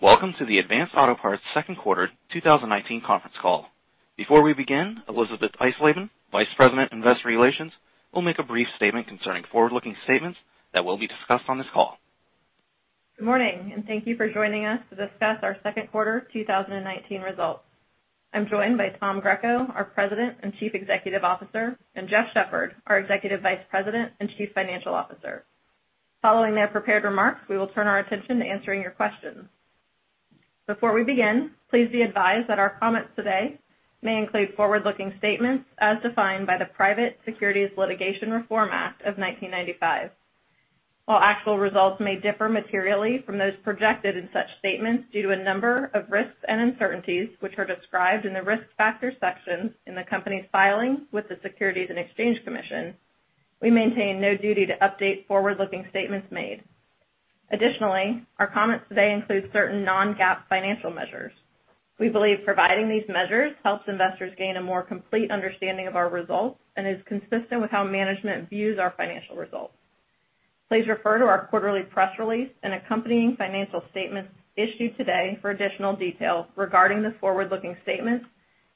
Welcome to the Advance Auto Parts second quarter 2019 conference call. Before we begin, Elisabeth Eisleben, Vice President, Investor Relations, will make a brief statement concerning forward-looking statements that will be discussed on this call. Good morning, thank you for joining us to discuss our second quarter 2019 results. I'm joined by Tom Greco, our President and Chief Executive Officer, and Jeff Shepherd, our Executive Vice President and Chief Financial Officer. Following their prepared remarks, we will turn our attention to answering your questions. Before we begin, please be advised that our comments today may include forward-looking statements as defined by the Private Securities Litigation Reform Act of 1995. While actual results may differ materially from those projected in such statements due to a number of risks and uncertainties, which are described in the Risk Factors section in the company's filings with the Securities and Exchange Commission, we maintain no duty to update forward-looking statements made. Additionally, our comments today include certain non-GAAP financial measures. We believe providing these measures helps investors gain a more complete understanding of our results and is consistent with how management views our financial results. Please refer to our quarterly press release and accompanying financial statements issued today for additional details regarding the forward-looking statements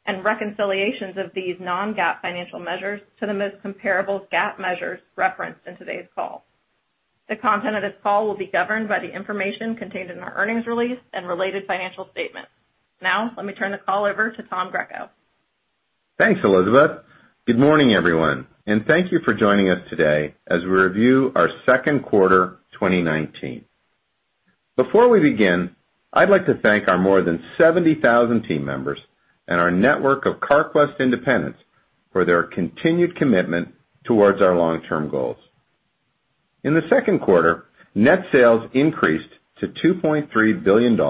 and reconciliations of these non-GAAP financial measures to the most comparable GAAP measures referenced in today's call. The content of this call will be governed by the information contained in our earnings release and related financial statements. Let me turn the call over to Tom Greco. Thanks, Elisabeth. Good morning, everyone, and thank you for joining us today as we review our second quarter 2019. Before we begin, I'd like to thank our more than 70,000 team members and our network of Carquest independents for their continued commitment towards our long-term goals. In the second quarter, net sales increased to $2.3 billion,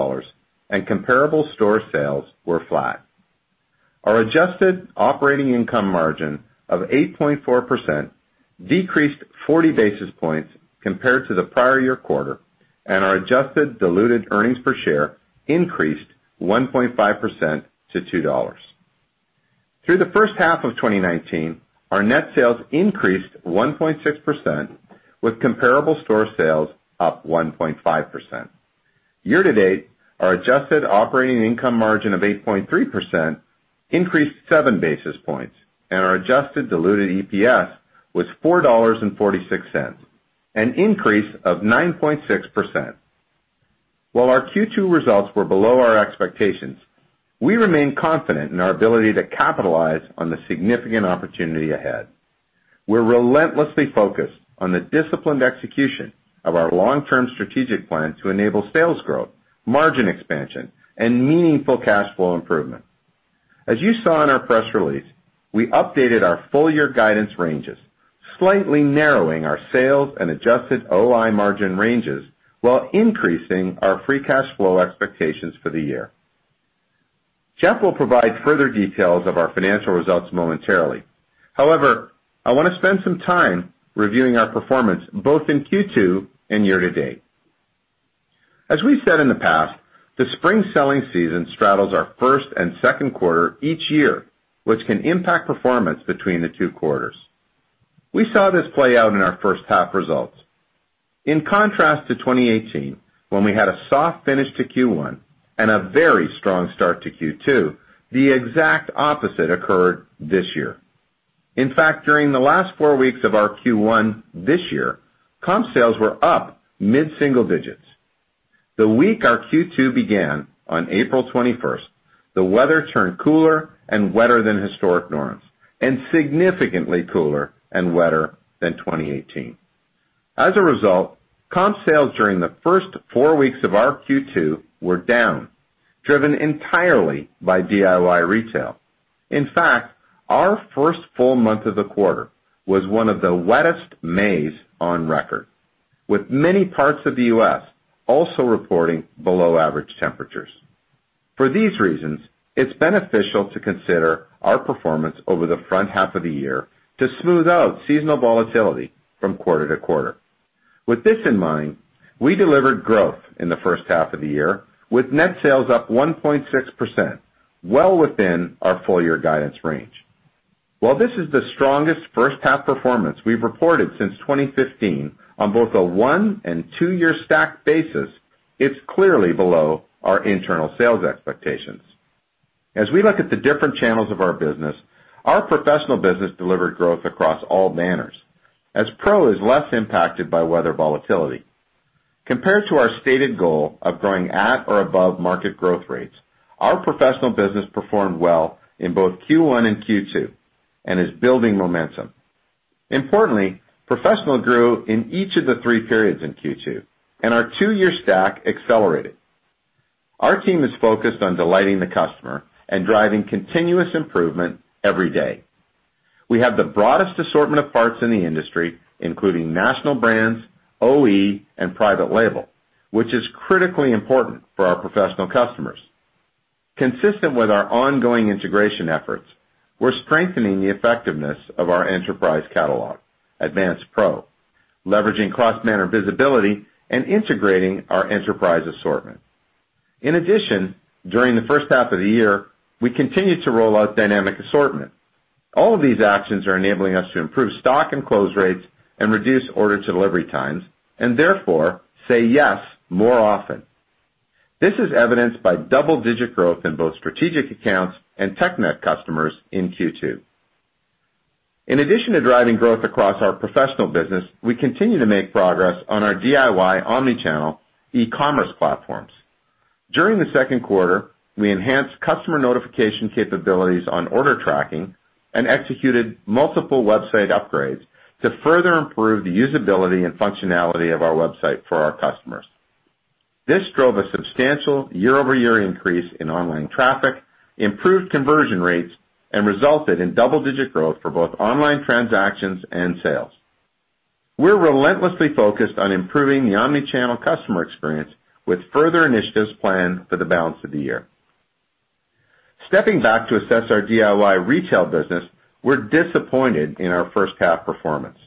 and comparable store sales were flat. Our adjusted operating income margin of 8.4% decreased 40 basis points compared to the prior year quarter, and our adjusted diluted earnings per share increased 1.5% to $2. Through the first half of 2019, our net sales increased 1.6%, with comparable store sales up 1.5%. Year-to-date, our adjusted operating income margin of 8.3% increased seven basis points, and our adjusted diluted EPS was $4.46, an increase of 9.6%. While our Q2 results were below our expectations, we remain confident in our ability to capitalize on the significant opportunity ahead. We're relentlessly focused on the disciplined execution of our long-term strategic plan to enable sales growth, margin expansion, and meaningful cash flow improvement. As you saw in our press release, we updated our full year guidance ranges, slightly narrowing our sales and adjusted OI margin ranges while increasing our free cash flow expectations for the year. Jeff will provide further details of our financial results momentarily. However, I want to spend some time reviewing our performance both in Q2 and year-to-date. As we've said in the past, the spring selling season straddles our first and second quarter each year, which can impact performance between the two quarters. We saw this play out in our first half results. In contrast to 2018, when we had a soft finish to Q1 and a very strong start to Q2, the exact opposite occurred this year. In fact, during the last four weeks of our Q1 this year, comp sales were up mid-single digits. The week our Q2 began on April 21st, the weather turned cooler and wetter than historic norms, and significantly cooler and wetter than 2018. As a result, comp sales during the first four weeks of our Q2 were down, driven entirely by DIY retail. In fact, our first full month of the quarter was one of the wettest Mays on record, with many parts of the U.S. also reporting below average temperatures. For these reasons, it's beneficial to consider our performance over the front half of the year to smooth out seasonal volatility from quarter to quarter. With this in mind, we delivered growth in the first half of the year, with net sales up 1.6%, well within our full year guidance range. While this is the strongest first half performance we've reported since 2015 on both a one and two-year stacked basis, it's clearly below our internal sales expectations. As we look at the different channels of our business, our Professional business delivered growth across all banners, as Pro is less impacted by weather volatility. Compared to our stated goal of growing at or above market growth rates, our Professional business performed well in both Q1 and Q2 and is building momentum. Importantly, Professional grew in each of the three periods in Q2, and our two-year stack accelerated. Our team is focused on delighting the customer and driving continuous improvement every day. We have the broadest assortment of parts in the industry, including national brands, OE, and private label, which is critically important for our professional customers. Consistent with our ongoing integration efforts, we're strengthening the effectiveness of our enterprise catalog, Advance Pro, leveraging cross-banner visibility and integrating our enterprise assortment. In addition, during the first half of the year, we continued to roll out dynamic assortment. All of these actions are enabling us to improve stock and close rates and reduce order-to-delivery times, and therefore, say yes more often. This is evidenced by double-digit growth in both strategic accounts and TechNet customers in Q2. In addition to driving growth across our professional business, we continue to make progress on our DIY omnichannel e-commerce platforms. During the second quarter, we enhanced customer notification capabilities on order tracking and executed multiple website upgrades to further improve the usability and functionality of our website for our customers. This drove a substantial year-over-year increase in online traffic, improved conversion rates, and resulted in double-digit growth for both online transactions and sales. We're relentlessly focused on improving the omni-channel customer experience with further initiatives planned for the balance of the year. Stepping back to assess our DIY retail business, we're disappointed in our first-half performance.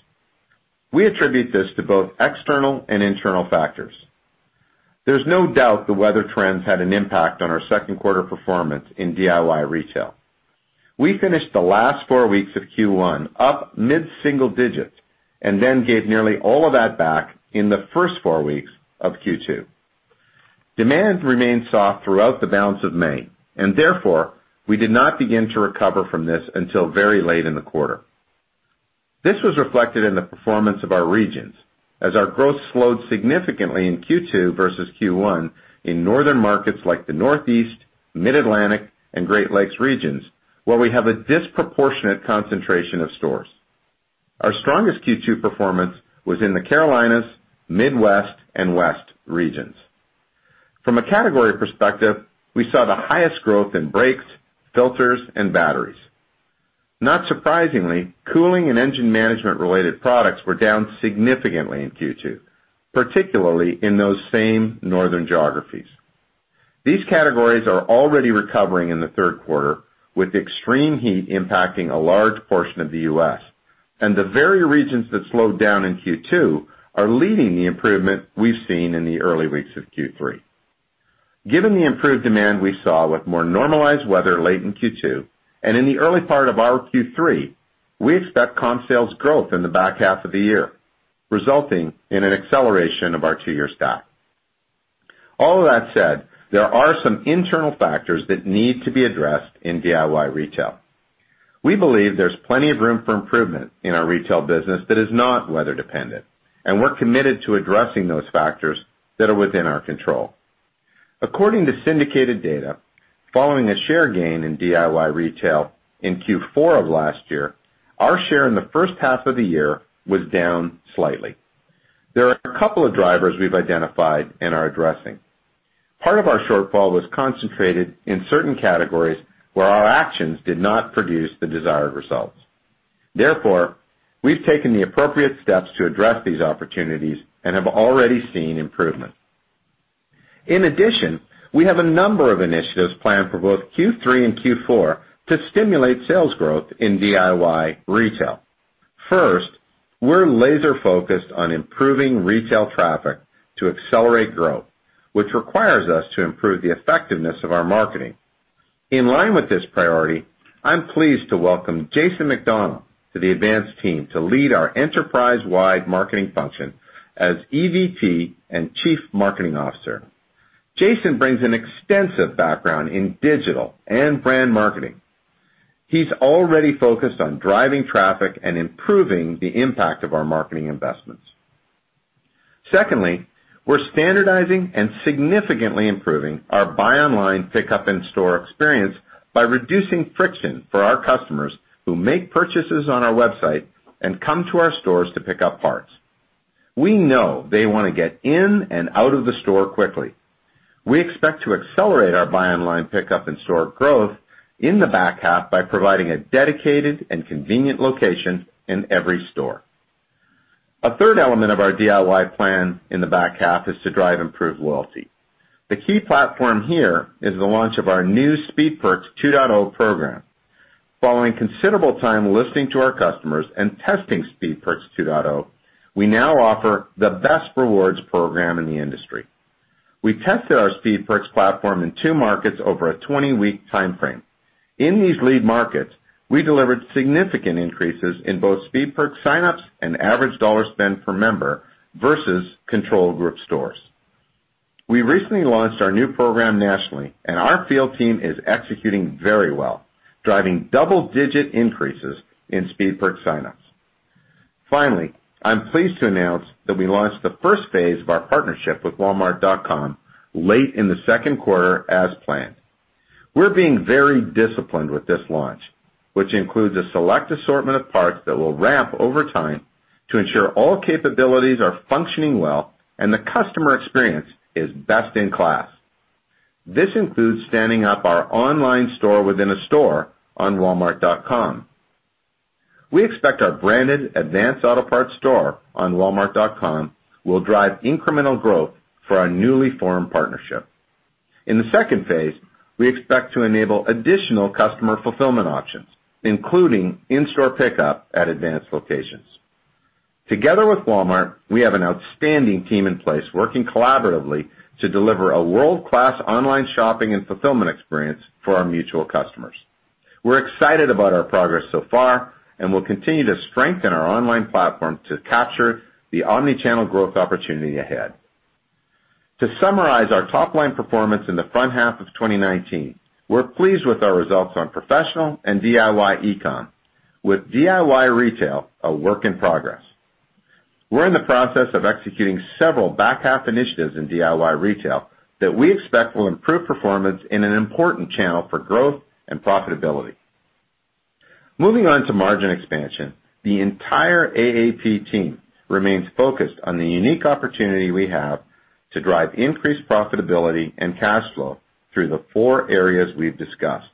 We attribute this to both external and internal factors. There's no doubt the weather trends had an impact on our second quarter performance in DIY retail. We finished the last four weeks of Q1 up mid-single digit, and then gave nearly all of that back in the first four weeks of Q2. Demand remained soft throughout the balance of May, and therefore, we did not begin to recover from this until very late in the quarter. This was reflected in the performance of our regions, as our growth slowed significantly in Q2 versus Q1 in northern markets like the Northeast, Mid-Atlantic, and Great Lakes regions, where we have a disproportionate concentration of stores. Our strongest Q2 performance was in the Carolinas, Midwest, and West regions. From a category perspective, we saw the highest growth in brakes, filters, and batteries. Not surprisingly, cooling and engine management-related products were down significantly in Q2, particularly in those same northern geographies. These categories are already recovering in the third quarter, with extreme heat impacting a large portion of the U.S., and the very regions that slowed down in Q2 are leading the improvement we've seen in the early weeks of Q3. Given the improved demand we saw with more normalized weather late in Q2 and in the early part of our Q3, we expect comp sales growth in the back half of the year, resulting in an acceleration of our two-year stack. All of that said, there are some internal factors that need to be addressed in DIY retail. We believe there's plenty of room for improvement in our retail business that is not weather-dependent, and we're committed to addressing those factors that are within our control. According to syndicated data, following a share gain in DIY retail in Q4 of last year, our share in the first half of the year was down slightly. There are a couple of drivers we've identified and are addressing. Part of our shortfall was concentrated in certain categories where our actions did not produce the desired results. Therefore, we've taken the appropriate steps to address these opportunities and have already seen improvement. In addition, we have a number of initiatives planned for both Q3 and Q4 to stimulate sales growth in DIY retail. First, we're laser-focused on improving retail traffic to accelerate growth, which requires us to improve the effectiveness of our marketing. In line with this priority, I'm pleased to welcome Jason McDonell to the Advance team to lead our enterprise-wide marketing function as EVP and Chief Marketing Officer. Jason brings an extensive background in digital and brand marketing. He's already focused on driving traffic and improving the impact of our marketing investments. Secondly, we're standardizing and significantly improving our buy online, pickup in-store experience by reducing friction for our customers who make purchases on our website and come to our stores to pick up parts. We know they want to get in and out of the store quickly. We expect to accelerate our buy online, pickup in-store growth in the back half by providing a dedicated and convenient location in every store. A third element of our DIY plan in the back half is to drive improved loyalty. The key platform here is the launch of our new Speed Perks 2.0 program. Following considerable time listening to our customers and testing Speed Perks 2.0, we now offer the best rewards program in the industry. We tested our Speed Perks platform in two markets over a 20-week time frame. In these lead markets, we delivered significant increases in both Speed Perks sign-ups and average dollar spend per member versus control group stores. We recently launched our new program nationally, and our field team is executing very well, driving double-digit increases in Speed Perks sign-ups. Finally, I'm pleased to announce that we launched the first phase of our partnership with Walmart.com late in the second quarter as planned. We're being very disciplined with this launch, which includes a select assortment of parts that will ramp over time to ensure all capabilities are functioning well and the customer experience is best in class. This includes standing up our online store within a store on Walmart.com. We expect our branded Advance Auto Parts store on Walmart.com will drive incremental growth for our newly formed partnership. In the second phase, we expect to enable additional customer fulfillment options, including in-store pickup at Advance locations. Together with Walmart, we have an outstanding team in place working collaboratively to deliver a world-class online shopping and fulfillment experience for our mutual customers. We're excited about our progress so far, and we'll continue to strengthen our online platform to capture the omni-channel growth opportunity ahead. To summarize our top-line performance in the front half of 2019, we're pleased with our results on professional and DIY e-com, with DIY retail a work in progress. We're in the process of executing several back-half initiatives in DIY retail that we expect will improve performance in an important channel for growth and profitability. Moving on to margin expansion, the entire AAP team remains focused on the unique opportunity we have to drive increased profitability and cash flow through the four areas we've discussed.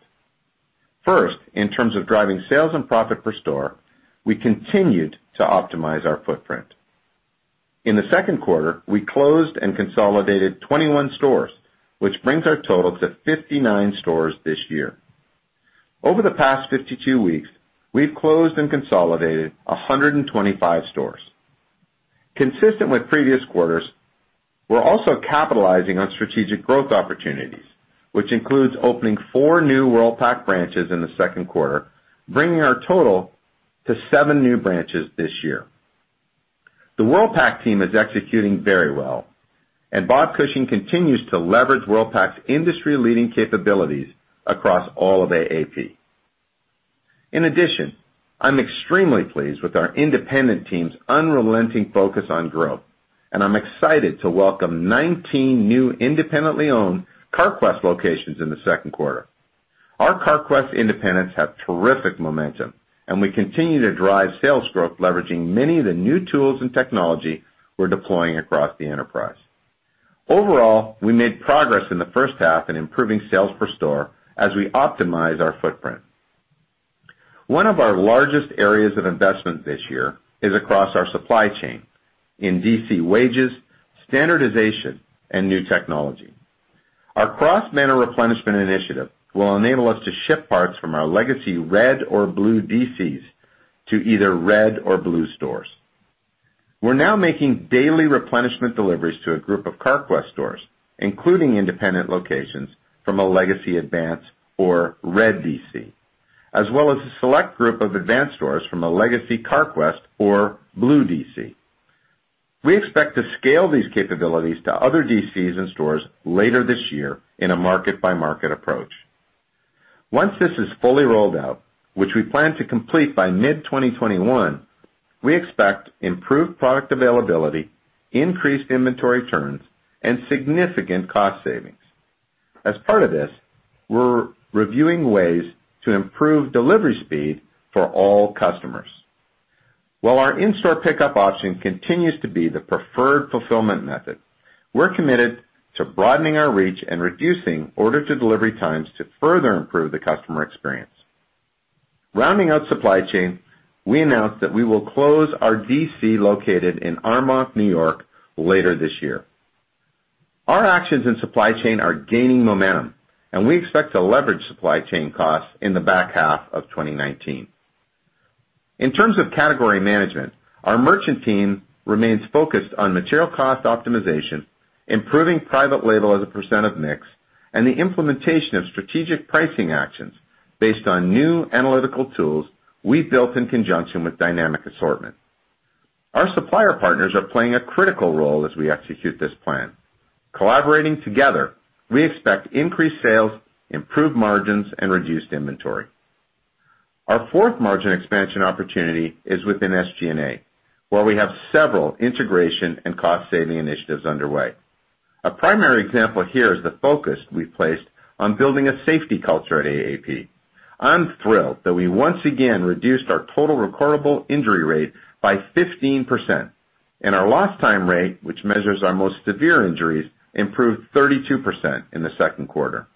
First, in terms of driving sales and profit per store, we continued to optimize our footprint. In the second quarter, we closed and consolidated 21 stores, which brings our total to 59 stores this year. Over the past 52 weeks, we've closed and consolidated 125 stores. Consistent with previous quarters, we're also capitalizing on strategic growth opportunities, which includes opening four new Worldpac branches in the second quarter, bringing our total to seven new branches this year. The Worldpac team is executing very well, and Bob Cushing continues to leverage Worldpac's industry-leading capabilities across all of AAP. In addition, I'm extremely pleased with our independent team's unrelenting focus on growth, and I'm excited to welcome 19 new independently-owned Carquest locations in the second quarter. Our Carquest independents have terrific momentum, and we continue to drive sales growth, leveraging many of the new tools and technology we're deploying across the enterprise. Overall, we made progress in the first half in improving sales per store as we optimize our footprint. One of our largest areas of investment this year is across our supply chain in DC wages, standardization, and new technology. Our cross-banner replenishment initiative will enable us to ship parts from our legacy red or blue DCs to either red or blue stores. We're now making daily replenishment deliveries to a group of Carquest stores, including independent locations from a legacy Advance or red DC, as well as a select group of Advance stores from a legacy Carquest or blue DC. We expect to scale these capabilities to other DCs and stores later this year in a market-by-market approach. Once this is fully rolled out, which we plan to complete by mid 2021, we expect improved product availability, increased inventory turns, and significant cost savings. As part of this, we're reviewing ways to improve delivery speed for all customers. While our in-store pickup option continues to be the preferred fulfillment method, we're committed to broadening our reach and reducing order-to-delivery times to further improve the customer experience. Rounding out supply chain, we announced that we will close our DC located in Armonk, N.Y., later this year. We expect to leverage supply chain costs in the back half of 2019. In terms of category management, our merchant team remains focused on material cost optimization, improving private label as a % of mix, and the implementation of strategic pricing actions based on new analytical tools we've built in conjunction with dynamic assortment. Our supplier partners are playing a critical role as we execute this plan. Collaborating together, we expect increased sales, improved margins, and reduced inventory. Our fourth margin expansion opportunity is within SG&A, where we have several integration and cost-saving initiatives underway. A primary example here is the focus we've placed on building a safety culture at AAP. I'm thrilled that we once again reduced our total recordable injury rate by 15%, and our lost time rate, which measures our most severe injuries, improved 32% in the second quarter.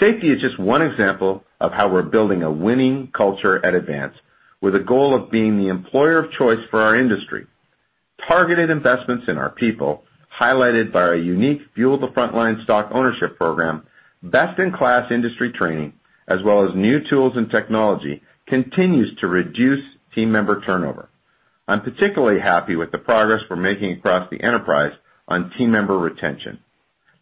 Safety is just one example of how we're building a winning culture at Advance, with a goal of being the employer of choice for our industry. Targeted investments in our people, highlighted by our unique Fuel the Frontline stock ownership program, best-in-class industry training, as well as new tools and technology, continues to reduce team member turnover. I'm particularly happy with the progress we're making across the enterprise on team member retention.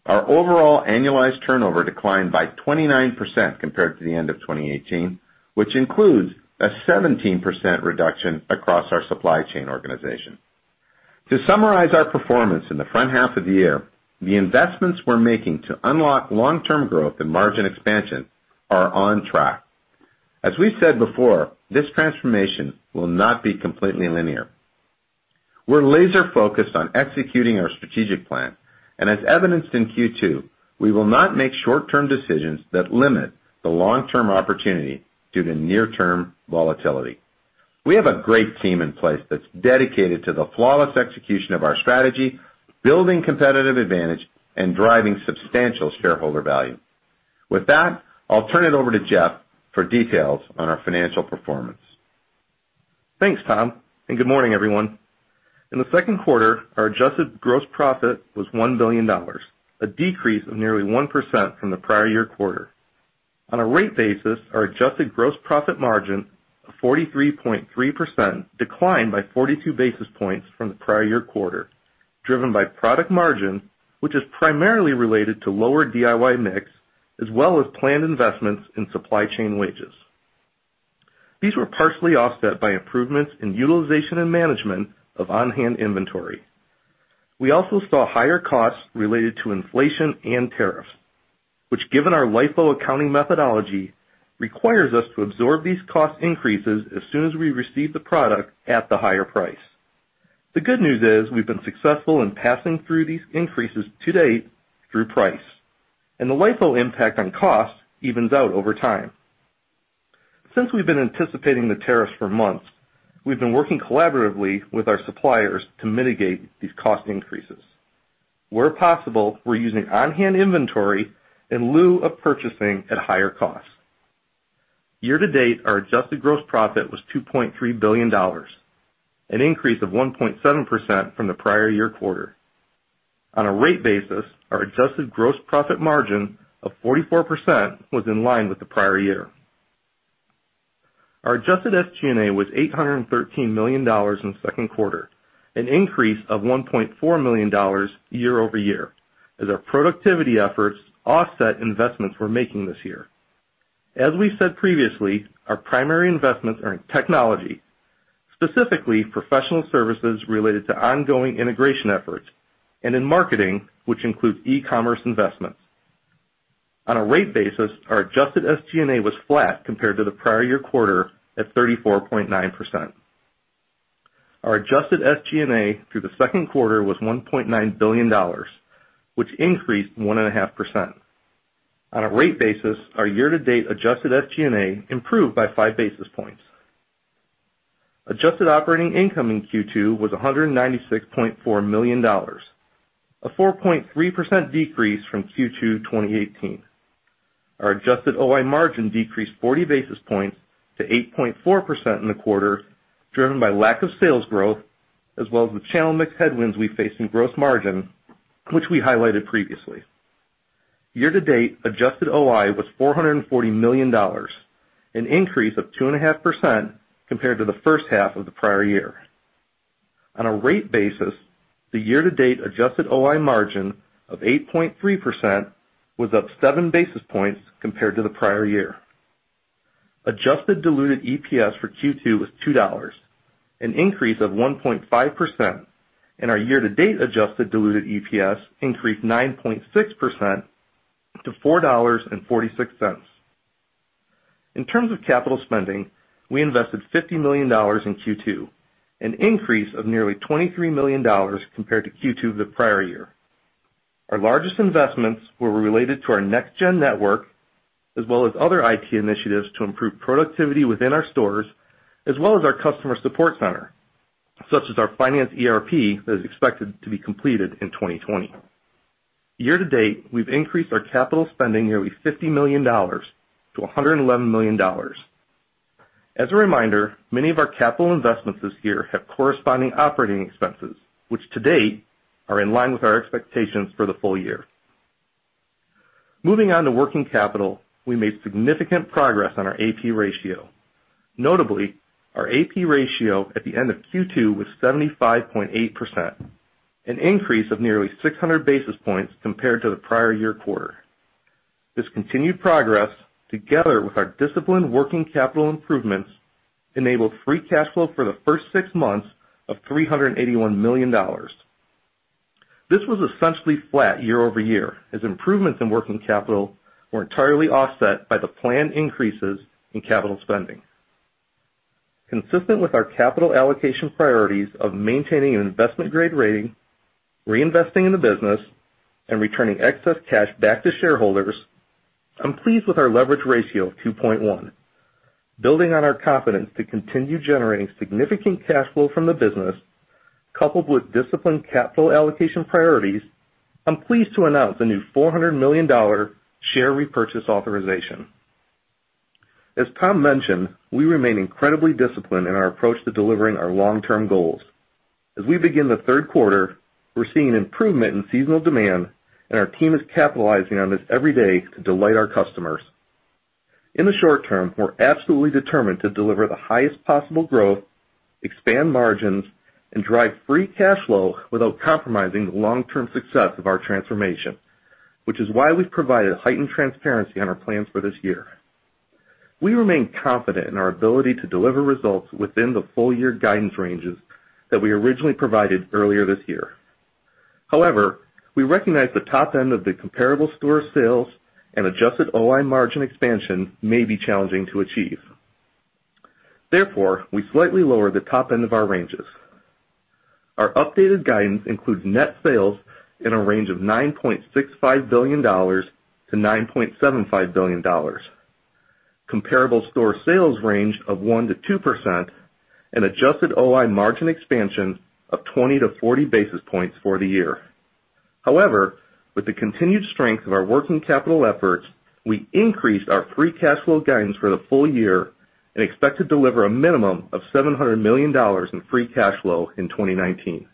Our overall annualized turnover declined by 29% compared to the end of 2018, which includes a 17% reduction across our supply chain organization. To summarize our performance in the front half of the year, the investments we're making to unlock long-term growth and margin expansion are on track. As we've said before, this transformation will not be completely linear. We're laser-focused on executing our strategic plan, and as evidenced in Q2, we will not make short-term decisions that limit the long-term opportunity due to near-term volatility. We have a great team in place that's dedicated to the flawless execution of our strategy, building competitive advantage, and driving substantial shareholder value. With that, I'll turn it over to Jeff for details on our financial performance. Thanks, Tom, and good morning, everyone. In the second quarter, our adjusted gross profit was $1 billion, a decrease of nearly 1% from the prior year quarter. On a rate basis, our adjusted gross profit margin of 43.3% declined by 42 basis points from the prior year quarter, driven by product margin, which is primarily related to lower DIY mix, as well as planned investments in supply chain wages. These were partially offset by improvements in utilization and management of on-hand inventory. We also saw higher costs related to inflation and tariffs, which, given our LIFO accounting methodology, requires us to absorb these cost increases as soon as we receive the product at the higher price. The good news is we've been successful in passing through these increases to date through price. The LIFO impact on costs evens out over time. Since we've been anticipating the tariffs for months, we've been working collaboratively with our suppliers to mitigate these cost increases. Where possible, we're using on-hand inventory in lieu of purchasing at higher costs. Year-to-date, our adjusted gross profit was $2.3 billion, an increase of 1.7% from the prior year quarter. On a rate basis, our adjusted gross profit margin of 44% was in line with the prior year. Our adjusted SG&A was $813 million in the second quarter, an increase of $1.4 million year-over-year as our productivity efforts offset investments we're making this year. As we said previously, our primary investments are in technology, specifically professional services related to ongoing integration efforts, and in marketing, which includes e-commerce investments. On a rate basis, our adjusted SG&A was flat compared to the prior year quarter at 34.9%. Our adjusted SG&A through the second quarter was $1.9 billion, which increased 1.5%. On a rate basis, our year-to-date adjusted SG&A improved by five basis points. Adjusted operating income in Q2 was $196.4 million, a 4.3% decrease from Q2 2018. Our adjusted OI margin decreased 40 basis points to 8.4% in the quarter, driven by lack of sales growth, as well as the channel mix headwinds we face in gross margin, which we highlighted previously. Year-to-date, adjusted OI was $440 million, an increase of 2.5% compared to the first half of the prior year. On a rate basis, the year-to-date adjusted OI margin of 8.3% was up seven basis points compared to the prior year. Adjusted diluted EPS for Q2 was $2, an increase of 1.5%, and our year-to-date adjusted diluted EPS increased 9.6% to $4.46. In terms of capital spending, we invested $50 million in Q2, an increase of nearly $23 million compared to Q2 of the prior year. Our largest investments were related to our next-gen network, as well as other IT initiatives to improve productivity within our stores, as well as our customer support center, such as our finance ERP that is expected to be completed in 2020. Year-to-date, we've increased our capital spending nearly $50 million to $111 million. As a reminder, many of our capital investments this year have corresponding operating expenses, which to date, are in line with our expectations for the full year. Moving on to working capital, we made significant progress on our AP ratio. Notably, our AP ratio at the end of Q2 was 75.8%, an increase of nearly 600 basis points compared to the prior year quarter. This continued progress, together with our disciplined working capital improvements, enabled free cash flow for the first six months of $381 million. This was essentially flat year-over-year, as improvements in working capital were entirely offset by the planned increases in capital spending. Consistent with our capital allocation priorities of maintaining an investment-grade rating, reinvesting in the business, and returning excess cash back to shareholders, I'm pleased with our leverage ratio of 2.1. Building on our confidence to continue generating significant cash flow from the business, coupled with disciplined capital allocation priorities, I'm pleased to announce a new $400 million share repurchase authorization. As Tom mentioned, we remain incredibly disciplined in our approach to delivering our long-term goals. As we begin the third quarter, we're seeing an improvement in seasonal demand and our team is capitalizing on this every day to delight our customers. In the short term, we're absolutely determined to deliver the highest possible growth, expand margins, and drive free cash flow without compromising the long-term success of our transformation, which is why we've provided heightened transparency on our plans for this year. We remain confident in our ability to deliver results within the full-year guidance ranges that we originally provided earlier this year. However, we recognize the top end of the comparable store sales and adjusted OI margin expansion may be challenging to achieve. Therefore, we slightly lower the top end of our ranges. Our updated guidance includes net sales in a range of $9.65 billion-$9.75 billion, comparable store sales range of 1%-2%, and adjusted OI margin expansion of 20-40 basis points for the year. With the continued strength of our working capital efforts, we increased our free cash flow guidance for the full year and expect to deliver a minimum of $700 million in free cash flow in 2019.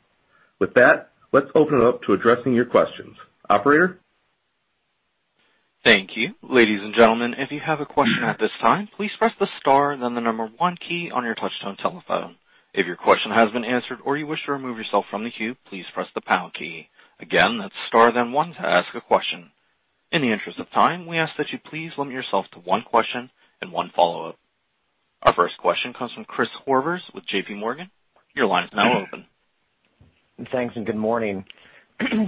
With that, let's open it up to addressing your questions. Operator? Thank you. Ladies and gentlemen, if you have a question at this time, please press the star then the number 1 key on your touchtone telephone. If your question has been answered or you wish to remove yourself from the queue, please press the pound key. Again, that's star then 1 to ask a question. In the interest of time, we ask that you please limit yourself to 1 question and 1 follow-up. Our first question comes from Chris Horvers with JPMorgan. Your line is now open. Thanks, good morning.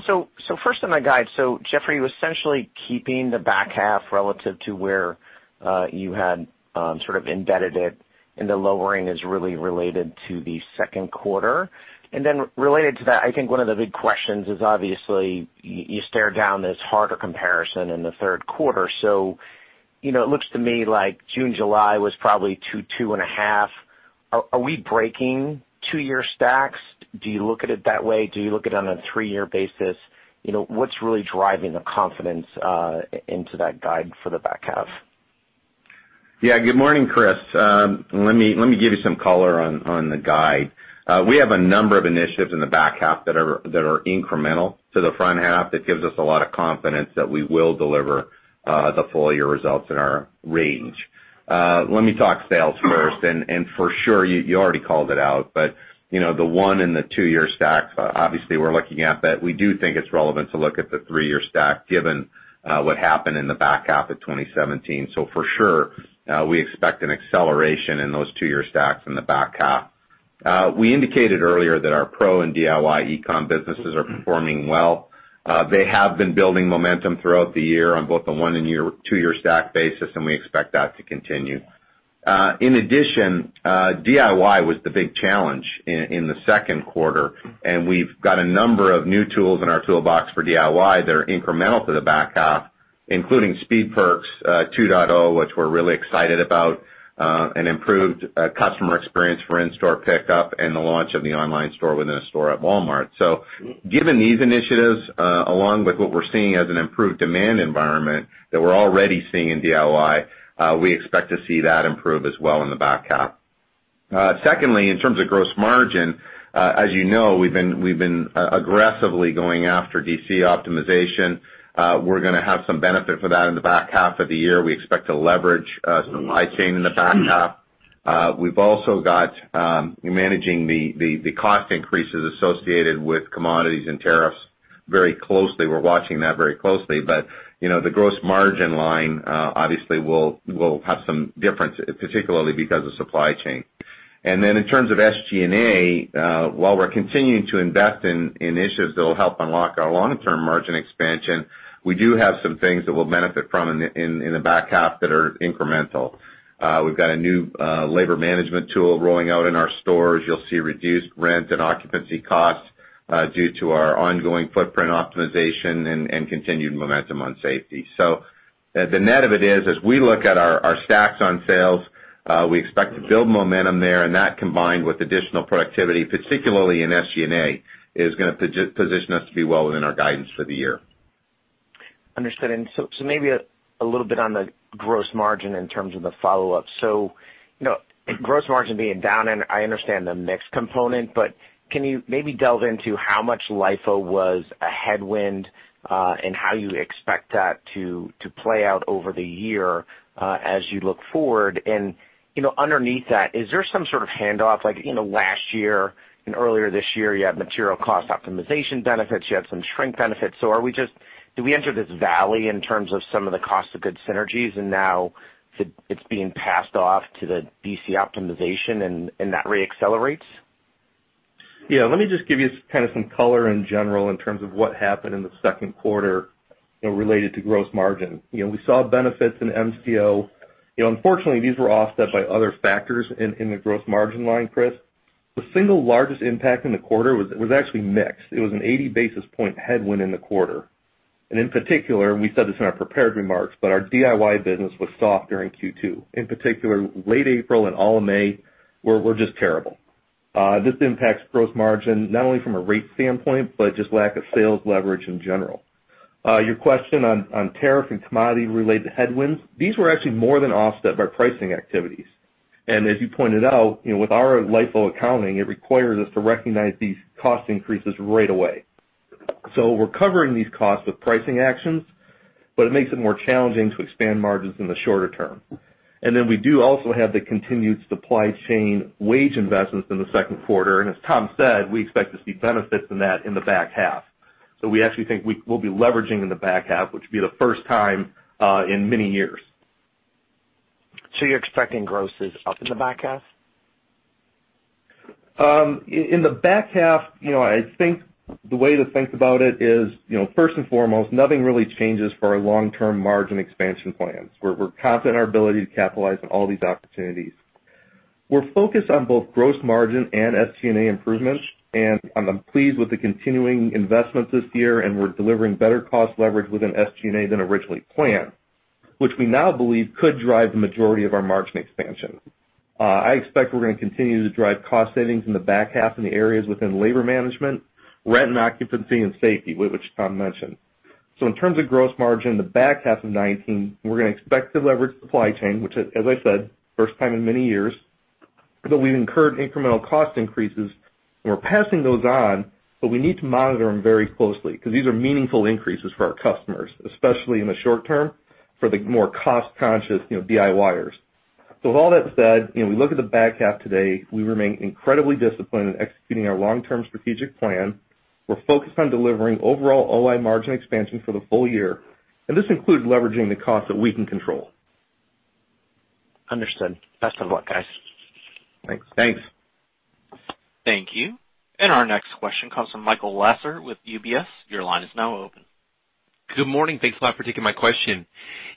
First on the guide, Jeff, you're essentially keeping the back half relative to where you had sort of embedded it, and the lowering is really related to the second quarter. Related to that, I think one of the big questions is obviously, you stare down this harder comparison in the third quarter. It looks to me like June, July was probably 2%, 2.5%. Are we breaking two-year stacks? Do you look at it that way? Do you look at it on a three-year basis? What's really driving the confidence into that guide for the back half? Yeah. Good morning, Chris. Let me give you some color on the guide. We have a number of initiatives in the back half that are incremental to the front half that gives us a lot of confidence that we will deliver the full-year results in our range. Let me talk sales first, and for sure, you already called it out, but the one and the two-year stacks, obviously, we're looking at that. We do think it's relevant to look at the three-year stack given what happened in the back half of 2017. For sure, we expect an acceleration in those two-year stacks in the back half. We indicated earlier that our pro and DIY e-com businesses are performing well. They have been building momentum throughout the year on both the one and two-year stack basis, and we expect that to continue. In addition, DIY was the big challenge in the second quarter, and we've got a number of new tools in our toolbox for DIY that are incremental to the back half, including Speed Perks 2.0, which we're really excited about, and improved customer experience for in-store pickup and the launch of the online store within a store at Walmart. Given these initiatives, along with what we're seeing as an improved demand environment that we're already seeing in DIY, we expect to see that improve as well in the back half. Secondly, in terms of gross margin, as you know, we've been aggressively going after DC optimization. We're gonna have some benefit for that in the back half of the year. We expect to leverage some supply chain in the back half. We've also got managing the cost increases associated with commodities and tariffs very closely. We're watching that very closely. The gross margin line, obviously, will have some difference, particularly because of supply chain. In terms of SG&A, while we're continuing to invest in initiatives that will help unlock our long-term margin expansion, we do have some things that we'll benefit from in the back half that are incremental. We've got a new labor management tool rolling out in our stores. You'll see reduced rent and occupancy costs due to our ongoing footprint optimization and continued momentum on safety. The net of it is, as we look at our stacks on sales, we expect to build momentum there, and that combined with additional productivity, particularly in SG&A, is gonna position us to be well within our guidance for the year. Understood. Maybe a little bit on the gross margin in terms of the follow-up. Gross margin being down, and I understand the mix component, but can you maybe delve into how much LIFO was a headwind, and how you expect that to play out over the year, as you look forward and, underneath that, is there some sort of hand-off? Like, last year and earlier this year, you had material cost optimization benefits. You had some shrink benefits. Did we enter this valley in terms of some of the cost of goods synergies, and now it's being passed off to the DC optimization and that re-accelerates? Yeah, let me just give you kind of some color in general in terms of what happened in the second quarter related to gross margin. We saw benefits in MCO. Unfortunately, these were offset by other factors in the gross margin line, Chris. The single largest impact in the quarter was actually mix. It was an 80 basis point headwind in the quarter. In particular, we said this in our prepared remarks, our DIY business was soft during Q2. In particular, late April and all of May were just terrible. This impacts gross margin not only from a rate standpoint but just lack of sales leverage in general. Your question on tariff and commodity-related headwinds, these were actually more than offset by pricing activities. As you pointed out, with our LIFO accounting, it requires us to recognize these cost increases right away. We're covering these costs with pricing actions, but it makes it more challenging to expand margins in the shorter term. We do also have the continued supply chain wage investments in the second quarter. As Tom said, we expect to see benefits in that in the back half. We actually think we'll be leveraging in the back half, which will be the first time in many years. You're expecting grosses up in the back half? In the back half, I think the way to think about it is, first and foremost, nothing really changes for our long-term margin expansion plans. We're confident in our ability to capitalize on all these opportunities. We're focused on both gross margin and SG&A improvements, and I'm pleased with the continuing investments this year, and we're delivering better cost leverage within SG&A than originally planned, which we now believe could drive the majority of our margin expansion. I expect we're going to continue to drive cost savings in the back half in the areas within labor management, rent and occupancy, and safety, which Tom mentioned. In terms of gross margin, the back half of 2019, we're going to expect to leverage the supply chain, which as I said, first time in many years, that we've incurred incremental cost increases, and we're passing those on, but we need to monitor them very closely because these are meaningful increases for our customers, especially in the short term, for the more cost-conscious DIYers. With all that said, we look at the back half today, we remain incredibly disciplined in executing our long-term strategic plan. We're focused on delivering overall OI margin expansion for the full year, and this includes leveraging the cost that we can control. Understood. Best of luck, guys. Thanks. Thank you. Our next question comes from Michael Lasser with UBS. Your line is now open. Good morning. Thanks a lot for taking my question.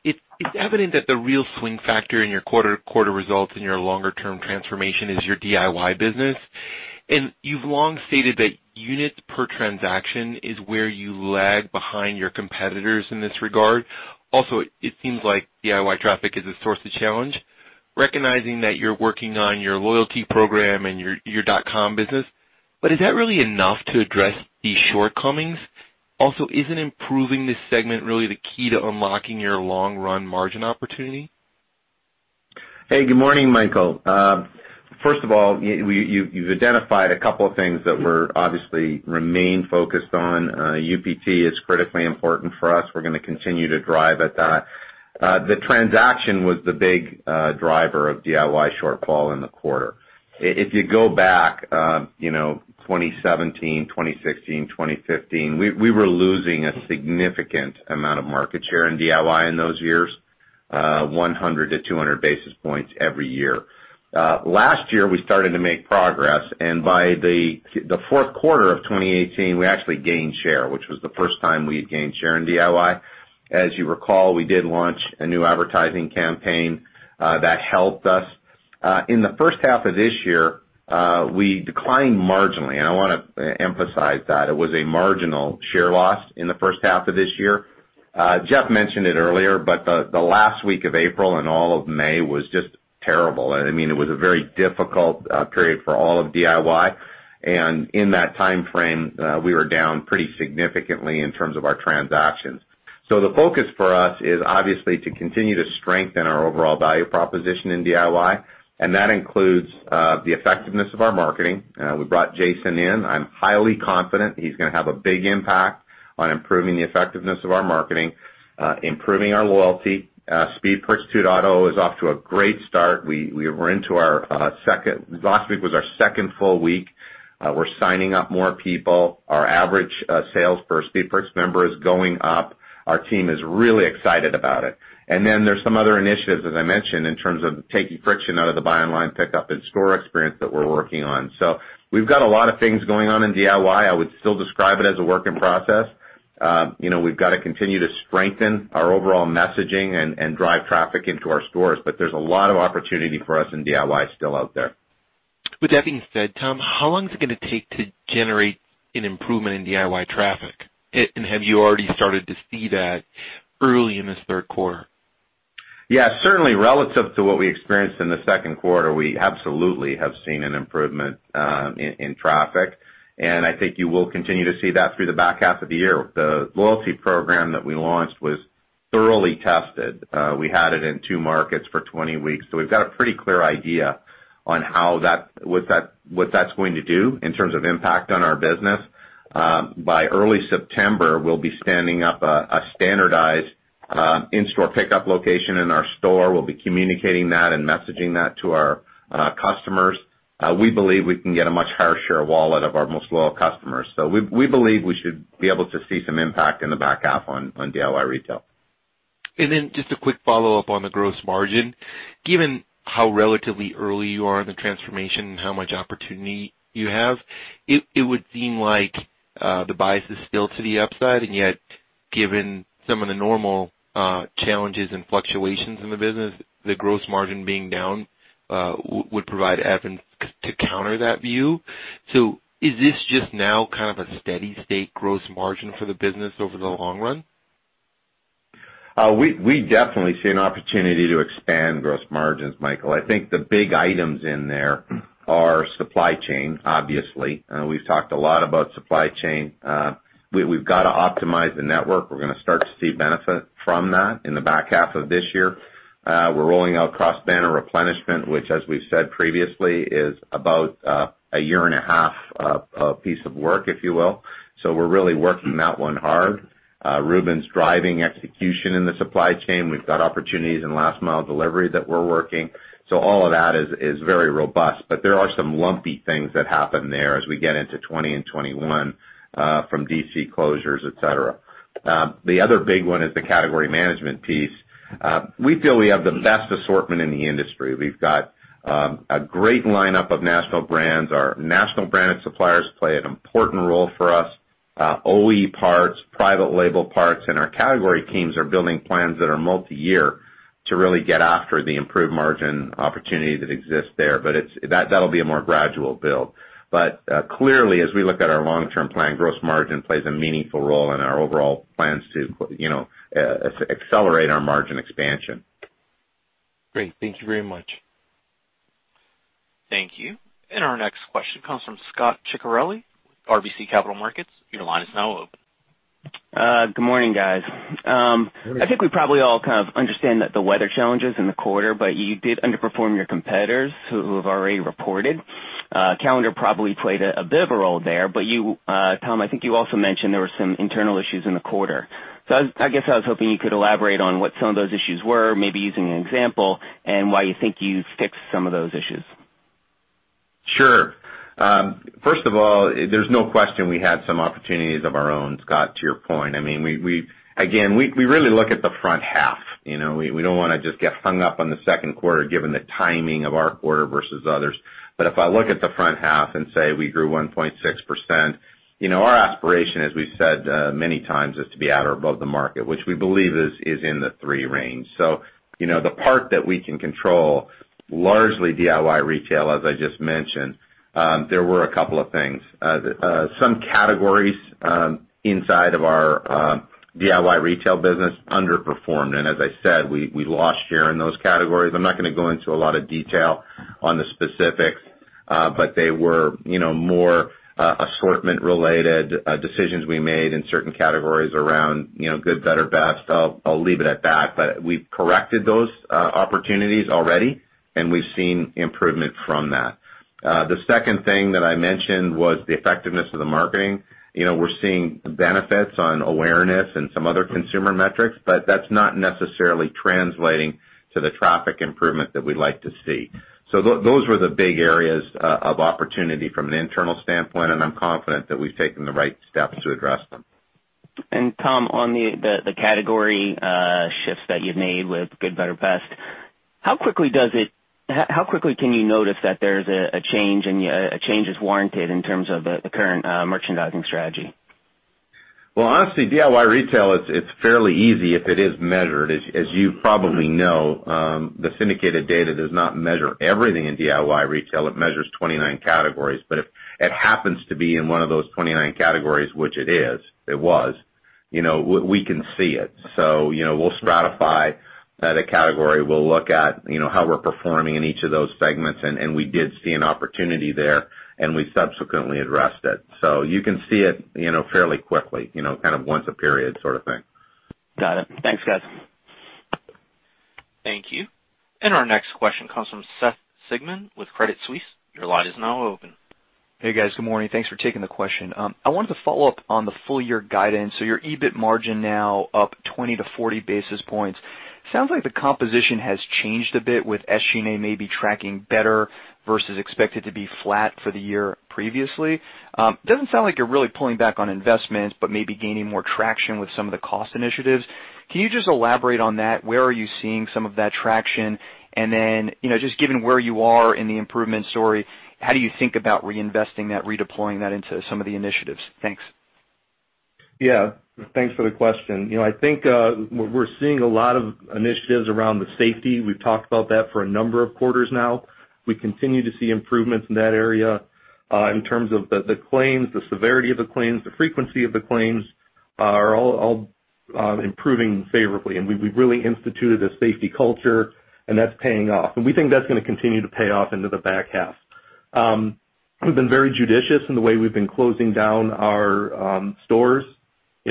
It's evident that the real swing factor in your quarter results and your longer-term transformation is your DIY business. You've long stated that units per transaction is where you lag behind your competitors in this regard. Also, it seems like DIY traffic is a source of challenge. Recognizing that you're working on your loyalty program and your dotcom business, but is that really enough to address these shortcomings? Also, isn't improving this segment really the key to unlocking your long-run margin opportunity? Hey, good morning, Michael. First of all, you've identified a couple of things that we're obviously remain focused on. UPT is critically important for us. We're going to continue to drive at that. The transaction was the big driver of DIY shortfall in the quarter. If you go back 2017, 2016, 2015, we were losing a significant amount of market share in DIY in those years, 100 to 200 basis points every year. Last year, we started to make progress, and by the fourth quarter of 2018, we actually gained share, which was the first time we had gained share in DIY. As you recall, we did launch a new advertising campaign that helped us. In the first half of this year, we declined marginally, and I want to emphasize that it was a marginal share loss in the first half of this year. Jeff mentioned it earlier, the last week of April and all of May was just terrible. It was a very difficult period for all of DIY. In that timeframe, we were down pretty significantly in terms of our transactions. The focus for us is obviously to continue to strengthen our overall value proposition in DIY, and that includes the effectiveness of our marketing. We brought Jason in. I'm highly confident he's going to have a big impact on improving the effectiveness of our marketing, improving our loyalty. Speed Perks is off to a great start. Last week was our second full week. We're signing up more people. Our average sales per Speed Perks member is going up. Our team is really excited about it. Then there's some other initiatives, as I mentioned, in terms of taking friction out of the buy online, pick up in-store experience that we're working on. We've got a lot of things going on in DIY. I would still describe it as a work in process. We've got to continue to strengthen our overall messaging and drive traffic into our stores. There's a lot of opportunity for us in DIY still out there. With that being said, Tom, how long is it going to take to generate an improvement in DIY traffic? Have you already started to see that early in this third quarter? Yeah, certainly relative to what we experienced in the second quarter, we absolutely have seen an improvement in traffic, and I think you will continue to see that through the back half of the year. The loyalty program that we launched was thoroughly tested. We had it in two markets for 20 weeks, we've got a pretty clear idea on what that's going to do in terms of impact on our business. By early September, we'll be standing up a standardized in-store pickup location in our store. We'll be communicating that and messaging that to our customers. We believe we can get a much higher share of wallet of our most loyal customers. We believe we should be able to see some impact in the back half on DIY retail. Just a quick follow-up on the gross margin. Given how relatively early you are in the transformation and how much opportunity you have, it would seem like the bias is still to the upside, and yet, given some of the normal challenges and fluctuations in the business, the gross margin being down would provide evidence to counter that view. Is this just now kind of a steady state gross margin for the business over the long run? We definitely see an opportunity to expand gross margins, Michael. I think the big items in there are supply chain, obviously. We've talked a lot about supply chain. We've got to optimize the network. We're going to start to see benefit from that in the back half of this year. We're rolling out cross-banner replenishment, which, as we've said previously, is about a year and a half of piece of work, if you will. We're really working that one hard. Reuben's driving execution in the supply chain. We've got opportunities in last mile delivery that we're working. All of that is very robust, but there are some lumpy things that happen there as we get into 2020 and 2021 from DC closures, et cetera. The other big one is the category management piece. We feel we have the best assortment in the industry. We've got a great lineup of national brands. Our national branded suppliers play an important role for us. OE parts, private label parts, and our category teams are building plans that are multi-year to really get after the improved margin opportunity that exists there. That'll be a more gradual build. Clearly, as we look at our long-term plan, gross margin plays a meaningful role in our overall plans to accelerate our margin expansion. Great. Thank you very much. Thank you. Our next question comes from Scot Ciccarelli, RBC Capital Markets. Your line is now open. Good morning, guys. I think we probably all kind of understand that the weather challenges in the quarter. You did underperform your competitors who have already reported. Calendar probably played a bit of a role there. Tom, I think you also mentioned there were some internal issues in the quarter. I guess I was hoping you could elaborate on what some of those issues were, maybe using an example, and why you think you fixed some of those issues. Sure. First of all, there's no question we had some opportunities of our own, Scot, to your point. Again, we really look at the front half. We don't want to just get hung up on the second quarter given the timing of our quarter versus others. If I look at the front half and say we grew 1.6%, our aspiration, as we've said many times, is to be at or above the market, which we believe is in the three range. The part that we can control, largely DIY retail, as I just mentioned. There were a couple of things. Some categories inside of our DIY retail business underperformed, and as I said, we lost share in those categories. I'm not going to go into a lot of detail on the specifics. They were more assortment-related decisions we made in certain categories around good, better, best. I'll leave it at that. We've corrected those opportunities already, and we've seen improvement from that. The second thing that I mentioned was the effectiveness of the marketing. We're seeing benefits on awareness and some other consumer metrics, but that's not necessarily translating to the traffic improvement that we'd like to see. Those were the big areas of opportunity from an internal standpoint, and I'm confident that we've taken the right steps to address them. Tom, on the category shifts that you've made with good, better, best, how quickly can you notice that there's a change and a change is warranted in terms of the current merchandising strategy? Well, honestly, DIY retail, it's fairly easy if it is measured. As you probably know, the syndicated data does not measure everything in DIY retail. It measures 29 categories. If it happens to be in one of those 29 categories, which it is, it was, we can see it. We'll stratify the category. We'll look at how we're performing in each of those segments, and we did see an opportunity there, and we subsequently addressed it. You can see it fairly quickly, kind of once a period sort of thing. Got it. Thanks, guys. Thank you. Our next question comes from Seth Sigman with Credit Suisse. Your line is now open. Hey, guys. Good morning. Thanks for taking the question. I wanted to follow up on the full year guidance. Your EBIT margin now up 20 to 40 basis points. Sounds like the composition has changed a bit with SG&A maybe tracking better versus expected to be flat for the year previously. Doesn't sound like you're really pulling back on investments, but maybe gaining more traction with some of the cost initiatives. Can you just elaborate on that? Where are you seeing some of that traction? Just given where you are in the improvement story, how do you think about reinvesting that, redeploying that into some of the initiatives? Thanks. Yeah. Thanks for the question. I think we're seeing a lot of initiatives around the safety. We've talked about that for a number of quarters now. We continue to see improvements in that area. In terms of the claims, the severity of the claims, the frequency of the claims are all improving favorably, and we've really instituted a safety culture, and that's paying off, and we think that's going to continue to pay off into the back half. We've been very judicious in the way we've been closing down our stores.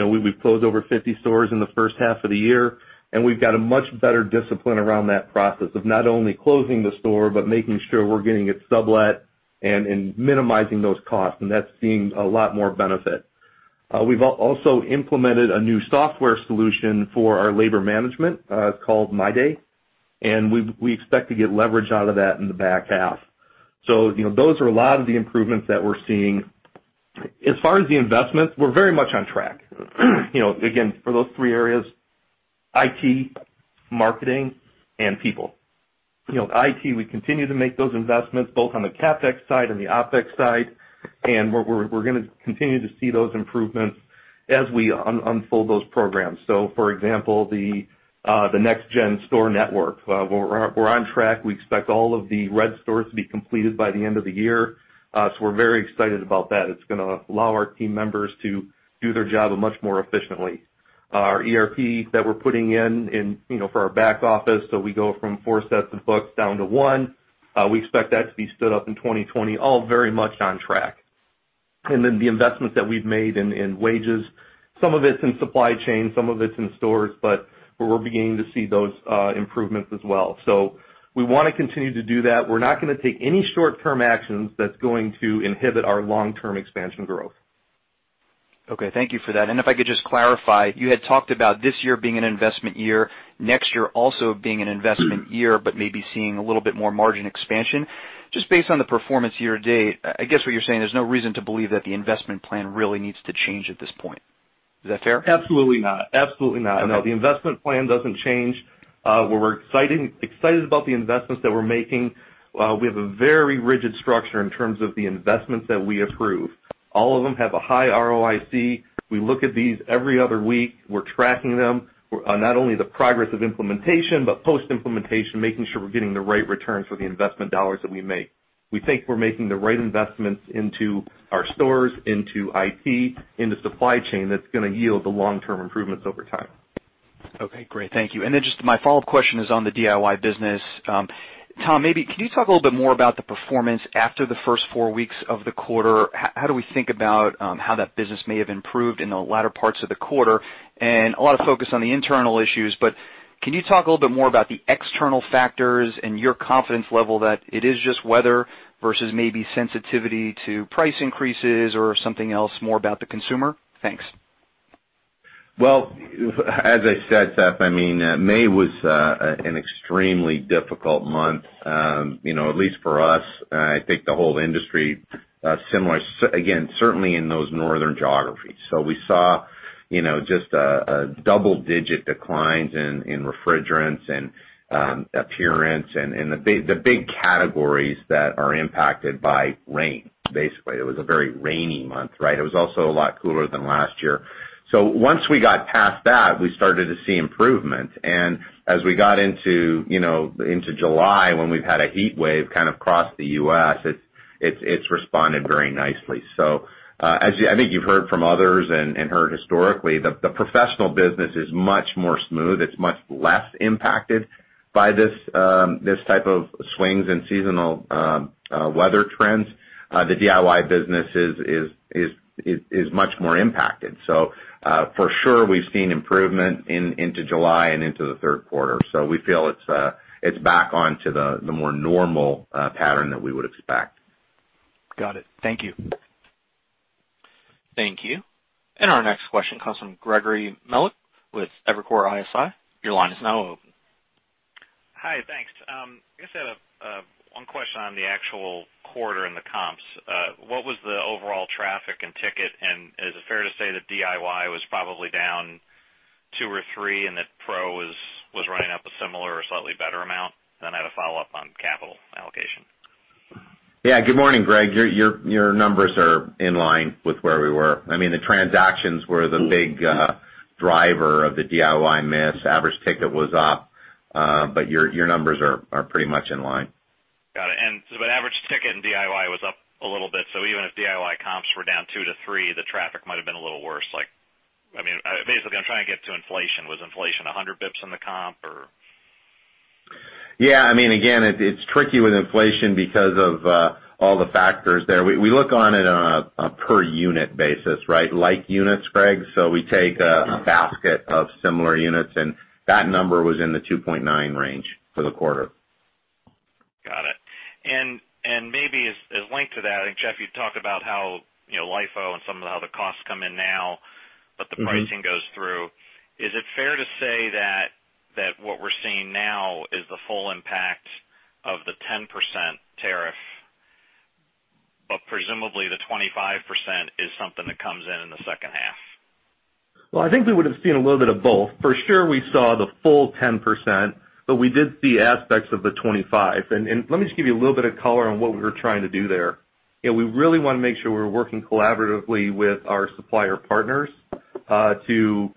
We've closed over 50 stores in the first half of the year, and we've got a much better discipline around that process of not only closing the store, but making sure we're getting it sublet and minimizing those costs, and that's seeing a lot more benefit. We've also implemented a new software solution for our labor management, called MyDay, and we expect to get leverage out of that in the back half. Those are a lot of the improvements that we're seeing. As far as the investments, we're very much on track. Again, for those three areas, IT, marketing, and people. IT, we continue to make those investments both on the CapEx side and the OpEx side, and we're going to continue to see those improvements as we unfold those programs. For example, the next-gen store network. We're on track. We expect all of the red stores to be completed by the end of the year. We're very excited about that. It's going to allow our team members to do their job much more efficiently. Our ERP that we're putting in for our back office, so we go from four sets of books down to one. We expect that to be stood up in 2020, all very much on track. The investments that we've made in wages. Some of it's in supply chain, some of it's in stores, we're beginning to see those improvements as well. We want to continue to do that. We're not going to take any short-term actions that's going to inhibit our long-term expansion growth. Okay. Thank you for that. If I could just clarify, you had talked about this year being an investment year, next year also being an investment year, but maybe seeing a little bit more margin expansion. Based on the performance year to date, I guess what you're saying, there's no reason to believe that the investment plan really needs to change at this point. Is that fair? Absolutely not. The investment plan doesn't change. We're excited about the investments that we're making. We have a very rigid structure in terms of the investments that we approve. All of them have a high ROIC. We look at these every other week. We're tracking them on not only the progress of implementation, but post-implementation, making sure we're getting the right return for the investment dollars that we make. We think we're making the right investments into our stores, into IT, into supply chain, that's going to yield the long-term improvements over time. Okay, great. Thank you. Then just my follow-up question is on the DIY business. Tom, maybe can you talk a little bit more about the performance after the first four weeks of the quarter? How do we think about how that business may have improved in the latter parts of the quarter? A lot of focus on the internal issues, but can you talk a little bit more about the external factors and your confidence level that it is just weather versus maybe sensitivity to price increases or something else more about the consumer? Thanks. As I said, Seth, May was an extremely difficult month at least for us. I think the whole industry, similar, again, certainly in those northern geographies. We saw just a double-digit declines in refrigerants and appearance and the big categories that are impacted by rain, basically. It was a very rainy month, right? It was also a lot cooler than last year. Once we got past that, we started to see improvement. As we got into July, when we've had a heat wave kind of cross the U.S., it's responded very nicely. As I think you've heard from others and heard historically, the Professional business is much more smooth. It's much less impacted by these type of swings in seasonal weather trends. The DIY business is much more impacted. For sure, we've seen improvement into July and into the third quarter. We feel it's back on to the more normal pattern that we would expect. Got it. Thank you. Thank you. Our next question comes from Greg Melich with Evercore ISI. Your line is now open. Hi, thanks. I guess I have one question on the actual quarter and the comps. What was the overall traffic and ticket? Is it fair to say that DIY was probably down two or three and that pro was running up a similar or slightly better amount? I have a follow-up on capital allocation. Yeah. Good morning, Greg. Your numbers are in line with where we were. I mean, the transactions were the big driver of the DIY miss. Average ticket was up, your numbers are pretty much in line. Got it. The average ticket in DIY was up a little bit, so even if DIY comps were down 2%-3%, the traffic might've been a little worse. Basically, I'm trying to get to inflation. Was inflation 100 basis points in the comp or? Yeah. Again, it is tricky with inflation because of all the factors there. We look on it on a per unit basis, right? Like units, Greg. We take a basket of similar units, and that number was in the 2.9 range for the quarter. Got it. Maybe as linked to that, I think, Jeff, you talked about how LIFO and some of how the costs come in now, but the pricing goes through. Is it fair to say that what we're seeing now is the full impact of the 10% tariff, but presumably the 25% is something that comes in in the second half? Well, I think we would've seen a little bit of both. For sure, we saw the full 10%. We did see aspects of the 25%. Let me just give you a little bit of color on what we were trying to do there. We really want to make sure we're working collaboratively with our supplier partners, to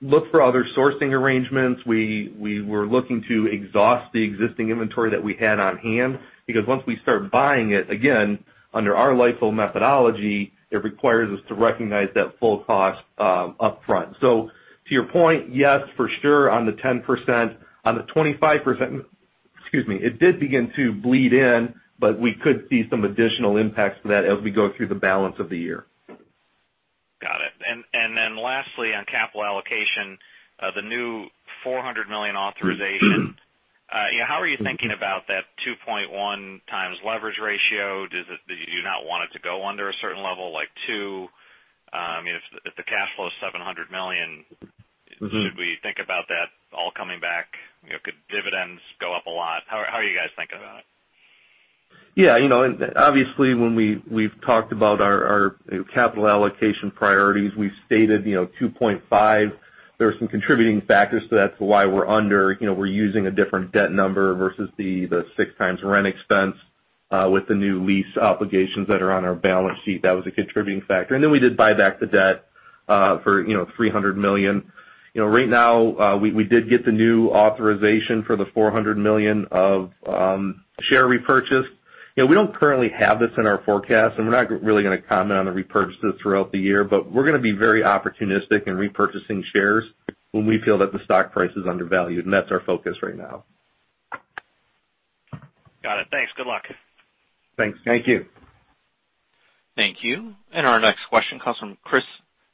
look for other sourcing arrangements. We were looking to exhaust the existing inventory that we had on hand, because once we start buying it again, under our LIFO methodology, it requires us to recognize that full cost upfront. To your point, yes, for sure on the 10%. On the 25%, excuse me, it did begin to bleed in. We could see some additional impacts for that as we go through the balance of the year. Got it. Lastly, on capital allocation, the new $400 million authorization. How are you thinking about that 2.1 times leverage ratio? Do you not want it to go under a certain level, like two? If the cash flow is $700 million. Should we think about that all coming back? Could dividends go up a lot? How are you guys thinking about it? Obviously, when we've talked about our capital allocation priorities, we've stated 2.5. There are some contributing factors to that, so why we're under. We're using a different debt number versus the six times rent expense, with the new lease obligations that are on our balance sheet. That was a contributing factor. We did buy back the debt for $300 million. Right now, we did get the new authorization for the $400 million of share repurchase. We don't currently have this in our forecast, and we're not really going to comment on the repurchases throughout the year, but we're going to be very opportunistic in repurchasing shares when we feel that the stock price is undervalued, and that's our focus right now. Got it. Thanks. Good luck. Thanks. Thank you. Thank you. Our next question comes from Chris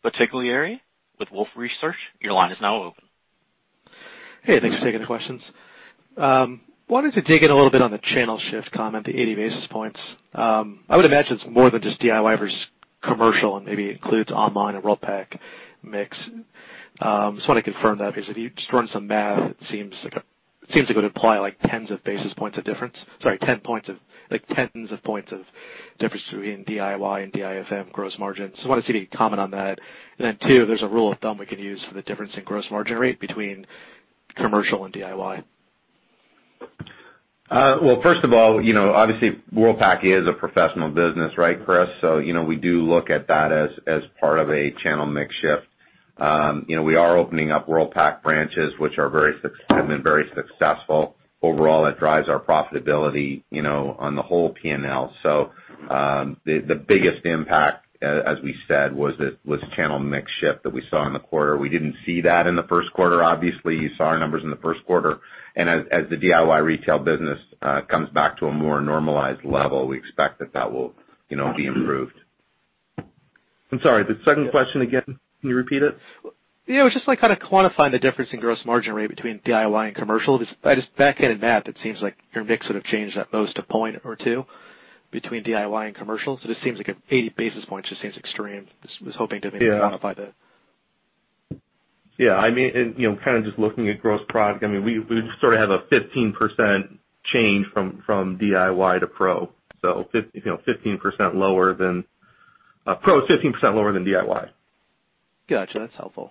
Bottiglieri with Wolfe Research. Your line is now open. Hey, thanks for taking the questions. I wanted to dig in a little bit on the channel shift comment, the 80 basis points. I would imagine it's more than just DIY versus commercial and maybe includes online and Worldpac mix. I just want to confirm that because if you just run some math, it seems like it would imply like tens of basis points of difference, sorry, 10 points of, like tens of points of difference between DIY and DIFM gross margin. I wanted to see if you could comment on that. Two, there's a rule of thumb we could use for the difference in gross margin rate between commercial and DIY. First of all, obviously Worldpac is a professional business, right, Chris? We do look at that as part of a channel mix shift. We are opening up Worldpac branches, which have been very successful. Overall, it drives our profitability on the whole P&L. The biggest impact, as we said, was the channel mix shift that we saw in the quarter. We didn't see that in the first quarter, obviously. You saw our numbers in the first quarter. As the DIY retail business comes back to a more normalized level, we expect that will be improved. I'm sorry, the second question again, can you repeat it? Yeah. Just like kind of quantifying the difference in gross margin rate between DIY and commercial. Just back of the math, it seems like your mix would have changed at most a point or two between DIY and commercial. Just seems like an 80 basis points just seems extreme. Yeah quantify that. Yeah. Kind of just looking at gross product, we sort of have a 15% change from DIY to pro. Pro is 15% lower than DIY. Got you. That's helpful.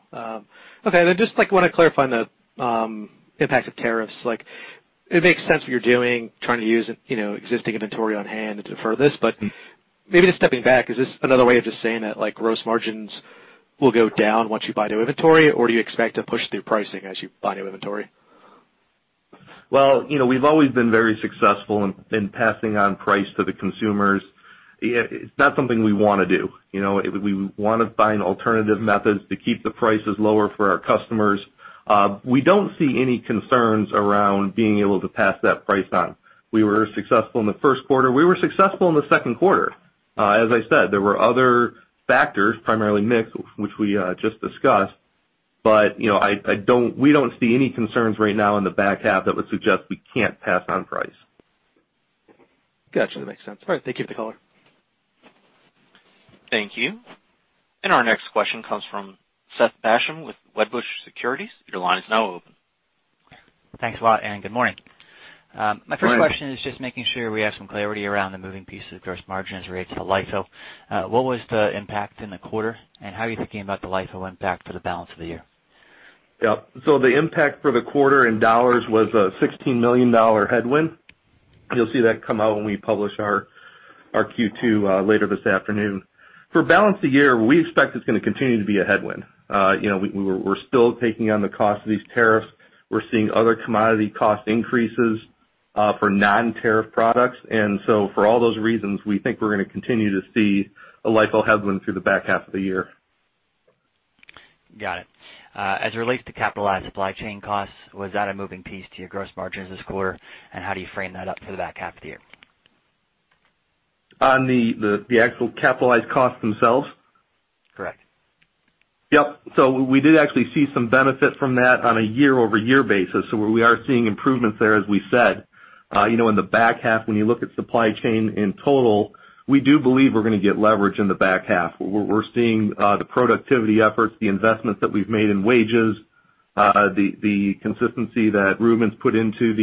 Okay. Just want to clarify on the impact of tariffs. It makes sense what you're doing, trying to use existing inventory on hand to defer this, but maybe just stepping back, is this another way of just saying that gross margins will go down once you buy new inventory, or do you expect to push through pricing as you buy new inventory? Well, we've always been very successful in passing on price to the consumers. It's not something we want to do. We want to find alternative methods to keep the prices lower for our customers. We don't see any concerns around being able to pass that price on. We were successful in the first quarter. We were successful in the second quarter. As I said, there were other factors, primarily mix, which we just discussed, but we don't see any concerns right now in the back half that would suggest we can't pass on price. Got you. That makes sense. All right. Thank you for the color. Thank you. Our next question comes from Seth Basham with Wedbush Securities. Your line is now open. Thanks a lot, and good morning. Good morning. My first question is just making sure we have some clarity around the moving pieces of gross margins rates for LIFO. What was the impact in the quarter, and how are you thinking about the LIFO impact for the balance of the year? Yep. The impact for the quarter in dollars was a $16 million headwind. You'll see that come out when we publish our Q2 later this afternoon. For balance of the year, we expect it's going to continue to be a headwind. We're still taking on the cost of these tariffs. We're seeing other commodity cost increases for non-tariff products. For all those reasons, we think we're going to continue to see a LIFO headwind through the back half of the year. Got it. As it relates to capitalized supply chain costs, was that a moving piece to your gross margins this quarter? How do you frame that up for the back half of the year? On the actual capitalized costs themselves? Correct. Yep. We did actually see some benefit from that on a year-over-year basis. We are seeing improvements there, as we said. In the back half, when you look at supply chain in total, we do believe we're going to get leverage in the back half. We're seeing the productivity efforts, the investments that we've made in wages, the consistency that Reuben's put into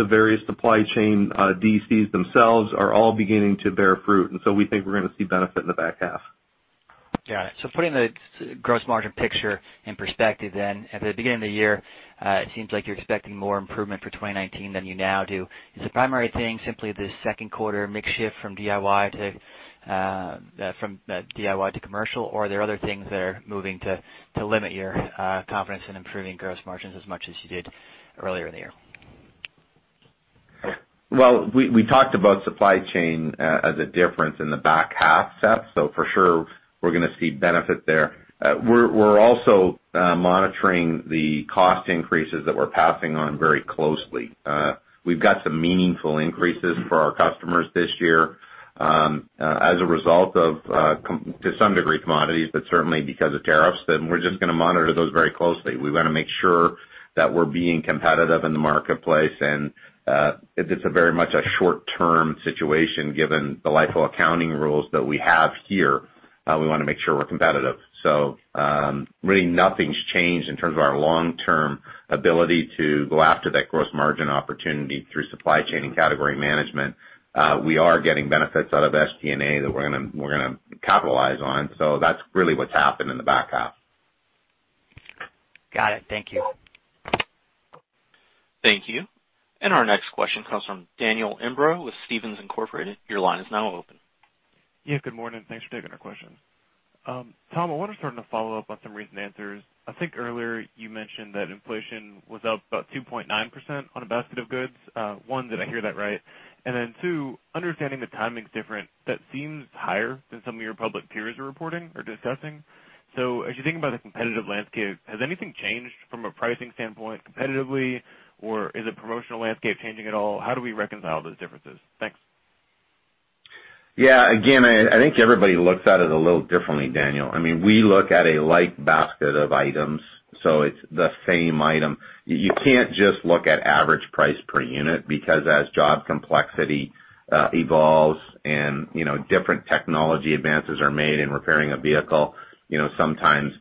the various supply chain DCs themselves are all beginning to bear fruit. We think we're going to see benefit in the back half. Got it. Putting the gross margin picture in perspective then, at the beginning of the year, it seems like you're expecting more improvement for 2019 than you now do. Is the primary thing simply the second quarter mix shift from DIY to commercial, or are there other things that are moving to limit your confidence in improving gross margins as much as you did earlier in the year? Well, we talked about supply chain as a difference in the back half, Seth, for sure we're going to see benefit there. We're also monitoring the cost increases that we're passing on very closely. We've got some meaningful increases for our customers this year as a result of, to some degree, commodities, but certainly because of tariffs, we're just going to monitor those very closely. We want to make sure that we're being competitive in the marketplace. It's a very much a short-term situation given the LIFO accounting rules that we have here. We want to make sure we're competitive. Really nothing's changed in terms of our long-term ability to go after that gross margin opportunity through supply chain and category management. We are getting benefits out of SG&A that we're going to capitalize on. That's really what's happened in the back half. Got it. Thank you. Thank you. Our next question comes from Daniel Imbro with Stephens Inc.. Your line is now open. Yeah, good morning. Thanks for taking our question. Tom, I want to start on a follow-up on some recent answers. I think earlier you mentioned that inflation was up about 2.9% on a basket of goods. One, did I hear that right? Two, understanding the timing's different, that seems higher than some of your public peers are reporting or discussing. As you think about the competitive landscape, has anything changed from a pricing standpoint competitively, or is the promotional landscape changing at all? How do we reconcile those differences? Thanks. I think everybody looks at it a little differently, Daniel. We look at a like basket of items, it's the same item. You can't just look at average price per unit because as job complexity evolves and different technology advances are made in repairing a vehicle, sometimes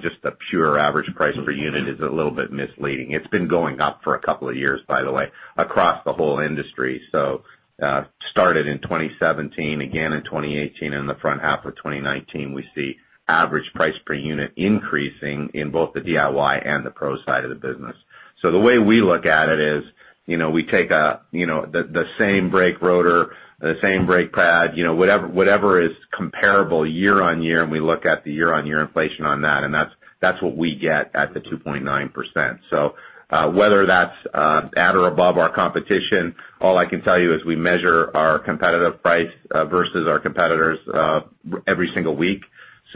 just the pure average price per unit is a little bit misleading. It's been going up for a couple of years, by the way, across the whole industry. Started in 2017, again in 2018, and in the front half of 2019, we see average price per unit increasing in both the DIY and the pro side of the business. The way we look at it is we take the same brake rotor, the same brake pad, whatever is comparable year-on-year, and we look at the year-on-year inflation on that, and that's what we get at the 2.9%. Whether that's at or above our competition, all I can tell you is we measure our competitive price versus our competitors every single week.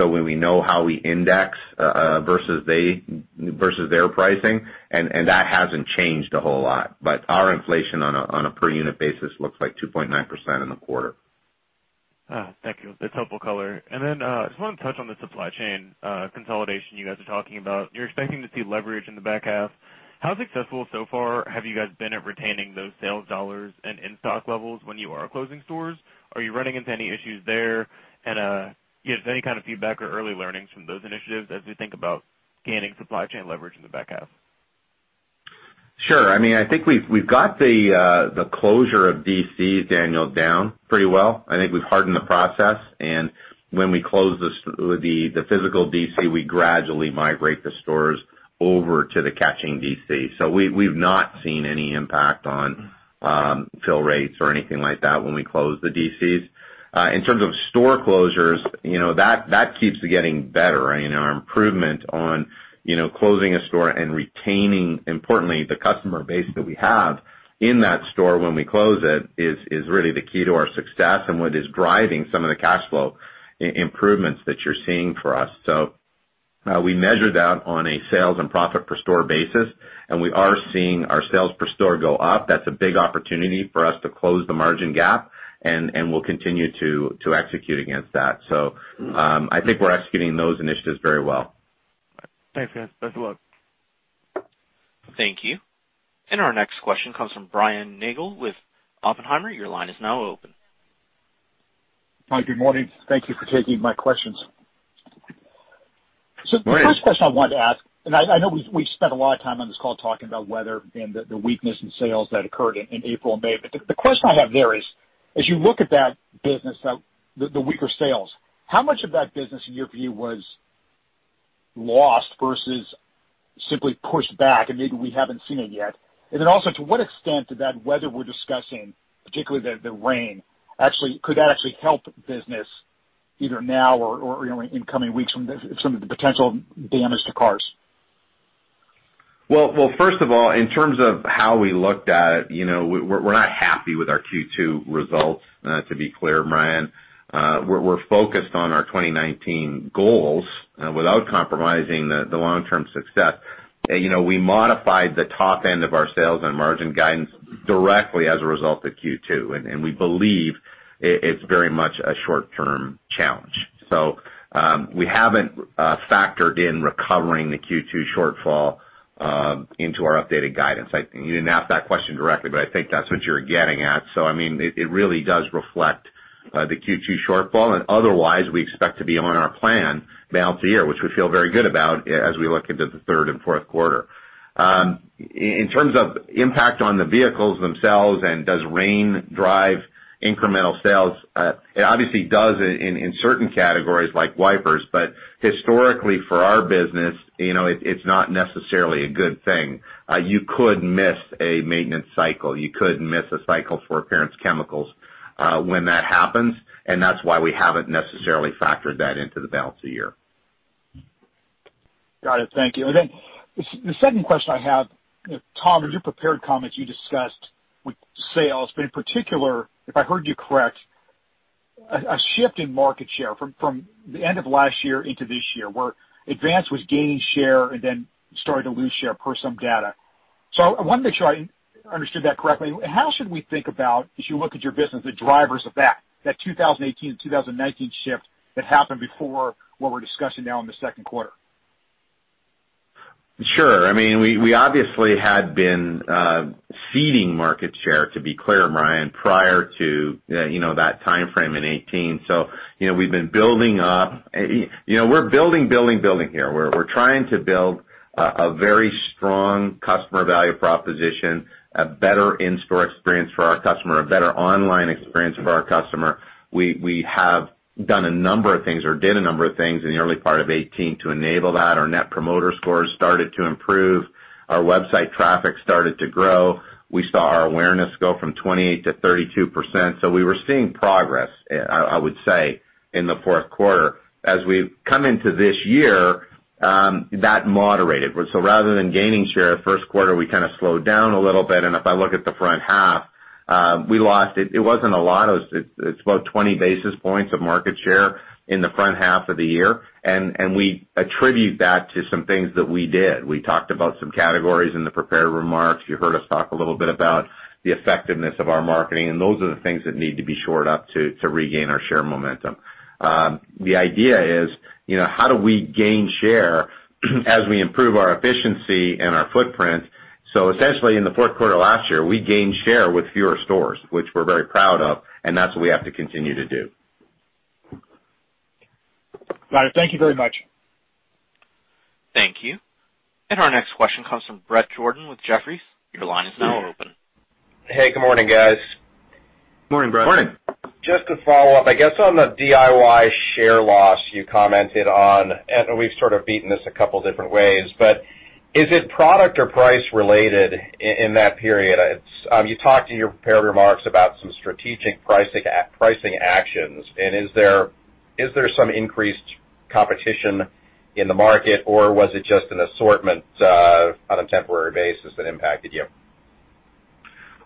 When we know how we index versus their pricing, and that hasn't changed a whole lot. Our inflation on a per unit basis looks like 2.9% in the quarter. Thank you. That's helpful color. I just want to touch on the supply chain consolidation you guys are talking about. You're expecting to see leverage in the back half. How successful so far have you guys been at retaining those sales dollars and in-stock levels when you are closing stores? Are you running into any issues there? Do you have any kind of feedback or early learnings from those initiatives as we think about gaining supply chain leverage in the back half? Sure. I think we've got the closure of DCs, Daniel, down pretty well. I think we've hardened the process, and when we close the physical DC, we gradually migrate the stores over to the catching DC. We've not seen any impact on fill rates or anything like that when we close the DCs. In terms of store closures, that keeps getting better. Our improvement on closing a store and retaining, importantly, the customer base that we have in that store when we close it is really the key to our success and what is driving some of the cash flow improvements that you're seeing for us. We measure that on a sales and profit per store basis, and we are seeing our sales per store go up. That's a big opportunity for us to close the margin gap, and we'll continue to execute against that. I think we're executing those initiatives very well. Thanks, guys. Best of luck. Thank you. Our next question comes from Brian Nagel with Oppenheimer. Your line is now open. Hi, good morning. Thank you for taking my questions. Brian. The first question I wanted to ask, and I know we've spent a lot of time on this call talking about weather and the weakness in sales that occurred in April and May. The question I have there is, as you look at that business, the weaker sales, how much of that business in your view was lost versus simply pushed back and maybe we haven't seen it yet? Also, to what extent did that weather we're discussing, particularly the rain, could that actually help business either now or in coming weeks from some of the potential damage to cars? Well, first of all, in terms of how we looked at it, we're not happy with our Q2 results, to be clear, Brian. We're focused on our 2019 goals without compromising the long-term success. We modified the top end of our sales and margin guidance directly as a result of Q2, and we believe it's very much a short-term challenge. We haven't factored in recovering the Q2 shortfall into our updated guidance. You didn't ask that question directly, I think that's what you're getting at. It really does reflect the Q2 shortfall. Otherwise, we expect to be on our plan balance the year, which we feel very good about as we look into the third and fourth quarter. In terms of impact on the vehicles themselves and does rain drive incremental sales, it obviously does in certain categories like wipers. Historically, for our business, it's not necessarily a good thing. You could miss a maintenance cycle. You could miss a cycle for appearance chemicals when that happens, and that's why we haven't necessarily factored that into the balance the year. Got it. Thank you. The second question I have, Tom, in your prepared comments you discussed with sales, but in particular, if I heard you correct, a shift in market share from the end of last year into this year where Advance was gaining share and then started to lose share per some data. I wanted to make sure I understood that correctly. How should we think about, as you look at your business, the drivers of that 2018 to 2019 shift that happened before what we're discussing now in the second quarter? Sure. We obviously had been ceding market share, to be clear, Brian, prior to that timeframe in '18. We've been building up. We're building here. We're trying to build a very strong customer value proposition, a better in-store experience for our customer, a better online experience for our customer. We have done a number of things or did a number of things in the early part of '18 to enable that. Our net promoter scores started to improve. Our website traffic started to grow. We saw our awareness go from 28 to 32%. We were seeing progress, I would say, in the fourth quarter. As we've come into this year, that moderated. Rather than gaining share first quarter, we kind of slowed down a little bit, and if I look at the front half, we lost-- it wasn't a lot. It's about 20 basis points of market share in the front half of the year, and we attribute that to some things that we did. We talked about some categories in the prepared remarks. You heard us talk a little bit about the effectiveness of our marketing, and those are the things that need to be shored up to regain our share momentum. The idea is, how do we gain share as we improve our efficiency and our footprint? Essentially, in the fourth quarter last year, we gained share with fewer stores, which we're very proud of, and that's what we have to continue to do. Got it. Thank you very much. Thank you. Our next question comes from Bret Jordan with Jefferies. Your line is now open. Hey, good morning, guys. Morning, Bret. Morning. Just to follow up, I guess, on the DIY share loss you commented on, and we've sort of beaten this a couple different ways, but is it product or price related in that period? You talked in your prepared remarks about some strategic pricing actions, and is there some increased competition in the market, or was it just an assortment on a temporary basis that impacted you?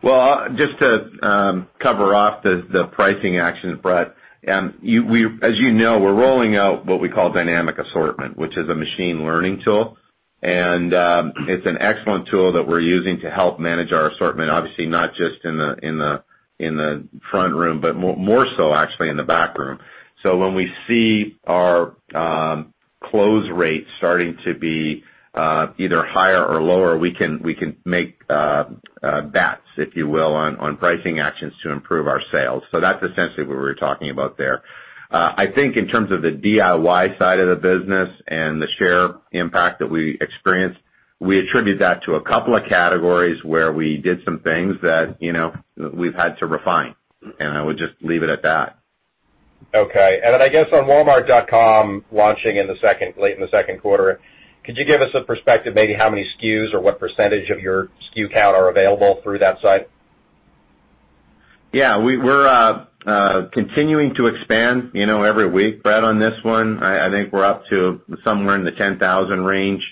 Well, just to cover off the pricing action, Bret, as you know, we're rolling out what we call dynamic assortment, which is a machine learning tool. It's an excellent tool that we're using to help manage our assortment, obviously, not just in the front room, but more so actually in the back room. When we see our close rate starting to be either higher or lower, we can make bets, if you will, on pricing actions to improve our sales. That's essentially what we were talking about there. I think in terms of the DIY side of the business and the share impact that we experienced, we attribute that to a couple of categories where we did some things that we've had to refine. I would just leave it at that. Okay. I guess on Walmart.com launching late in the second quarter, could you give us a perspective, maybe how many SKUs or what percentage of your SKU count are available through that site? Yeah. We're continuing to expand every week, Bret, on this one. I think we're up to somewhere in the 10,000 range.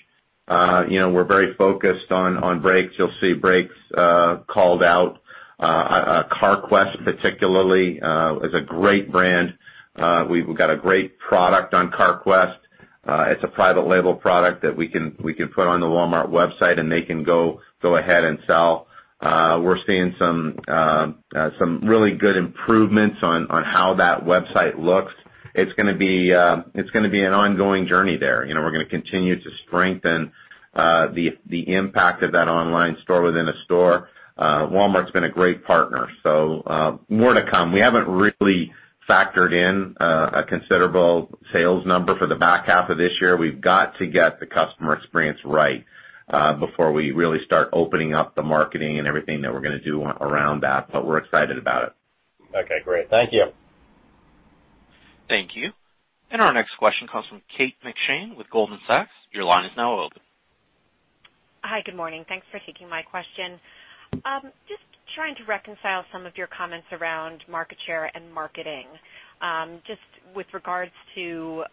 We're very focused on brakes. You'll see brakes called out. Carquest particularly is a great brand. We've got a great product on Carquest. It's a private label product that we can put on the Walmart website and they can go ahead and sell. We're seeing some really good improvements on how that website looks. It's going to be an ongoing journey there. We're going to continue to strengthen the impact of that online store within a store. Walmart's been a great partner, so more to come. We haven't really factored in a considerable sales number for the back half of this year. We've got to get the customer experience right before we really start opening up the marketing and everything that we're going to do around that, but we're excited about it. Okay, great. Thank you. Thank you. Our next question comes from Kate McShane with Goldman Sachs. Your line is now open. Hi, good morning. Thanks for taking my question. Just trying to reconcile some of your comments around market share and marketing, just with regards to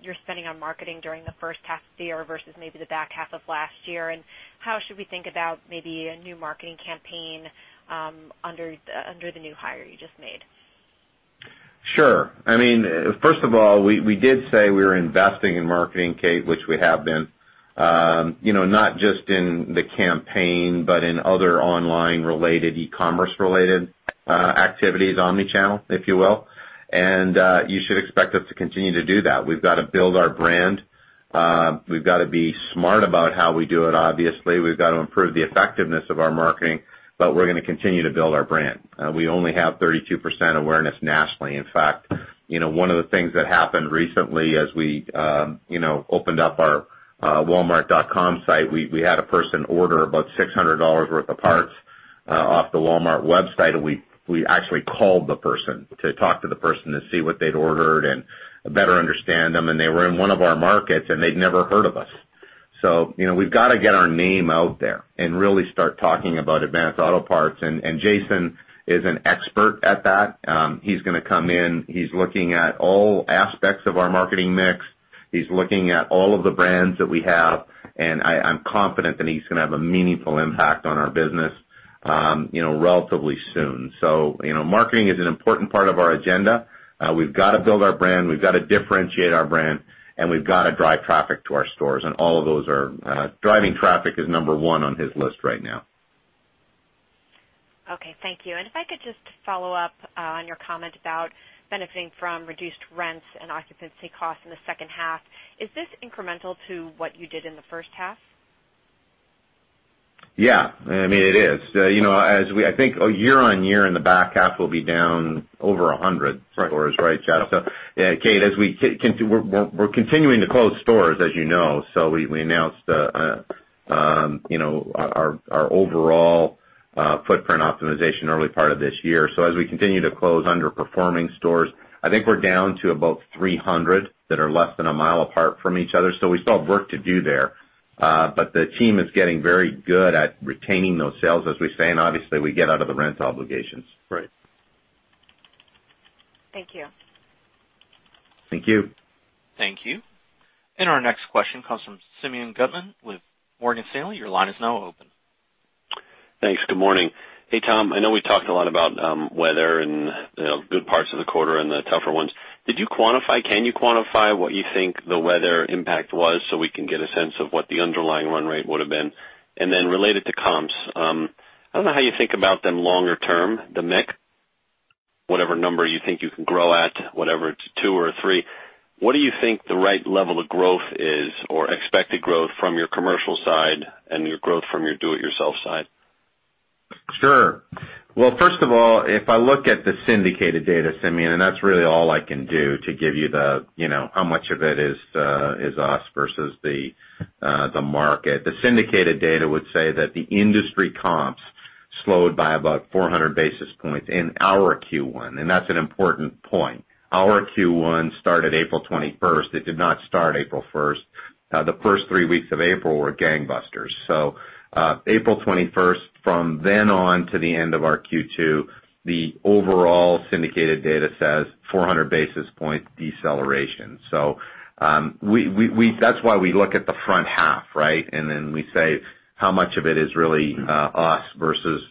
your spending on marketing during the first half of the year versus maybe the back half of last year, and how should we think about maybe a new marketing campaign under the new hire you just made? Sure. First of all, we did say we were investing in marketing, Kate, which we have been. Not just in the campaign, but in other online-related, e-commerce related activities, omni-channel, if you will. You should expect us to continue to do that. We've got to build our brand. We've got to be smart about how we do it, obviously. We've got to improve the effectiveness of our marketing, but we're going to continue to build our brand. We only have 32% awareness nationally. In fact, one of the things that happened recently as we opened up our Walmart.com site, we had a person order about $600 worth of parts off the Walmart.com, and we actually called the person to talk to the person to see what they'd ordered and better understand them, and they were in one of our markets, and they'd never heard of us. We've got to get our name out there and really start talking about Advance Auto Parts, and Jason is an expert at that. He's going to come in. He's looking at all aspects of our marketing mix. He's looking at all of the brands that we have, and I'm confident that he's going to have a meaningful impact on our business relatively soon. Marketing is an important part of our agenda. We've got to build our brand, we've got to differentiate our brand, and we've got to drive traffic to our stores, and Driving traffic is number one on his list right now. Okay. Thank you. If I could just follow up on your comment about benefiting from reduced rents and occupancy costs in the second half. Is this incremental to what you did in the first half? Yeah. It is. I think year-over-year in the back half will be down over 100 stores, right, Chad? Kate, we're continuing to close stores, as you know. We announced our overall footprint optimization early part of this year. As we continue to close underperforming stores, I think we're down to about 300 that are less than a mile apart from each other. We still have work to do there. The team is getting very good at retaining those sales, as we say, and obviously, we get out of the rent obligations. Right. Thank you. Thank you. Thank you. Our next question comes from Simeon Gutman with Morgan Stanley. Your line is now open. Thanks. Good morning. Hey, Tom. I know we talked a lot about weather and good parts of the quarter and the tougher ones. Can you quantify what you think the weather impact was so we can get a sense of what the underlying run rate would have been? Related to comp sales, I don't know how you think about them longer term, the mix, whatever number you think you can grow at, whatever it's two or three, what do you think the right level of growth is or expected growth from your commercial side and your growth from your DIY side? Sure. Well, first of all, if I look at the syndicated data, Simeon, and that's really all I can do to give you how much of it is us versus the market. The syndicated data would say that the industry comps slowed by about 400 basis points in our Q1, and that's an important point. Our Q1 started April 21st. It did not start April 1st. The first three weeks of April were gangbusters. April 21st, from then on to the end of our Q2, the overall syndicated data says 400 basis point deceleration. That's why we look at the front half, right? Then we say how much of it is really us versus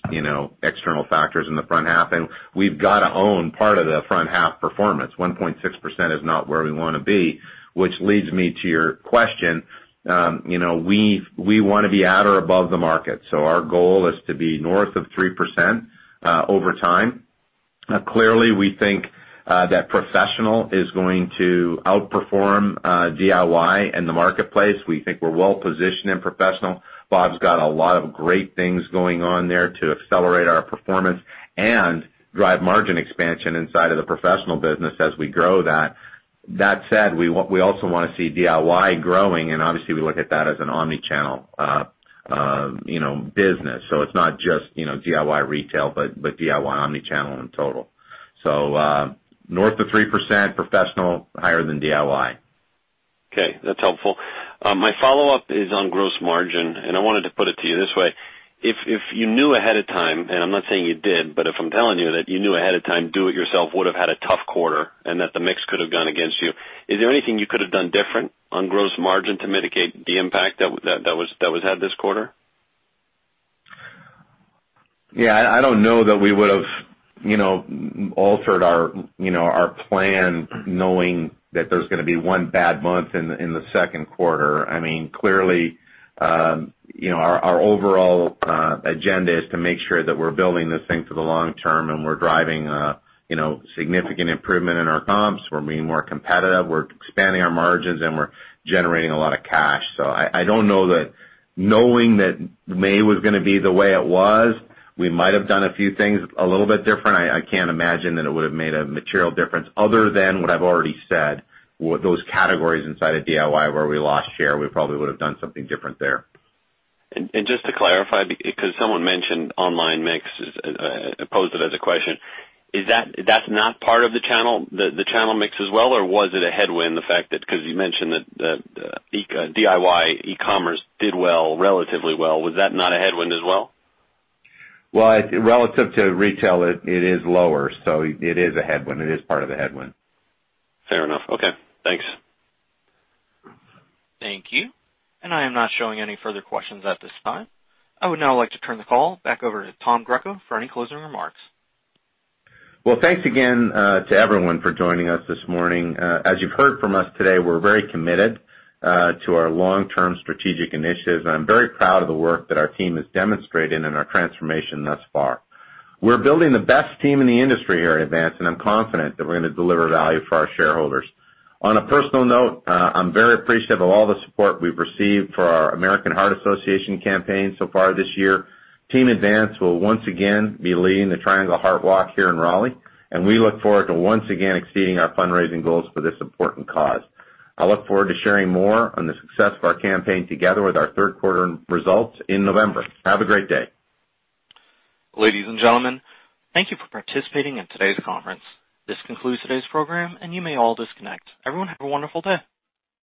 external factors in the front half, and we've got to own part of the front half performance. 1.6% is not where we want to be, which leads me to your question. We want to be at or above the market. Our goal is to be north of 3% over time. Clearly, we think that Professional is going to outperform DIY in the marketplace. We think we're well-positioned in Professional. Bob's got a lot of great things going on there to accelerate our performance and drive margin expansion inside of the Professional business as we grow that. That said, we also want to see DIY growing, and obviously we look at that as an omni-channel business. It's not just DIY retail, but DIY omni-channel in total. North of 3% Professional, higher than DIY. Okay, that's helpful. My follow-up is on gross margin, and I wanted to put it to you this way. If you knew ahead of time, and I'm not saying you did, but if I'm telling you that you knew ahead of time, do it yourself would've had a tough quarter and that the mix could have gone against you, is there anything you could have done different on gross margin to mitigate the impact that was had this quarter? Yeah, I don't know that we would've altered our plan knowing that there's going to be one bad month in the second quarter. Clearly, our overall agenda is to make sure that we're building this thing for the long term and we're driving significant improvement in our comps. We're being more competitive, we're expanding our margins, and we're generating a lot of cash. I don't know that knowing that May was going to be the way it was, we might have done a few things a little bit different. I can't imagine that it would've made a material difference other than what I've already said, those categories inside of DIY where we lost share, we probably would've done something different there. Just to clarify, because someone mentioned online mix, posed it as a question. That's not part of the channel mix as well, or was it a headwind, because you mentioned that DIY e-commerce did relatively well. Was that not a headwind as well? Well, relative to retail, it is lower, so it is a headwind. It is part of the headwind. Fair enough. Okay, thanks. Thank you. I am not showing any further questions at this time. I would now like to turn the call back over to Tom Greco for any closing remarks. Thanks again to everyone for joining us this morning. As you've heard from us today, we're very committed to our long-term strategic initiatives, and I'm very proud of the work that our team has demonstrated in our transformation thus far. We're building the best team in the industry here at Advance, and I'm confident that we're going to deliver value for our shareholders. On a personal note, I'm very appreciative of all the support we've received for our American Heart Association campaign so far this year. Team Advance will once again be leading the Triangle Heart Walk here in Raleigh, and we look forward to once again exceeding our fundraising goals for this important cause. I look forward to sharing more on the success of our campaign together with our third quarter results in November. Have a great day. Ladies and gentlemen, thank you for participating in today's conference. This concludes today's program, and you may all disconnect. Everyone, have a wonderful day.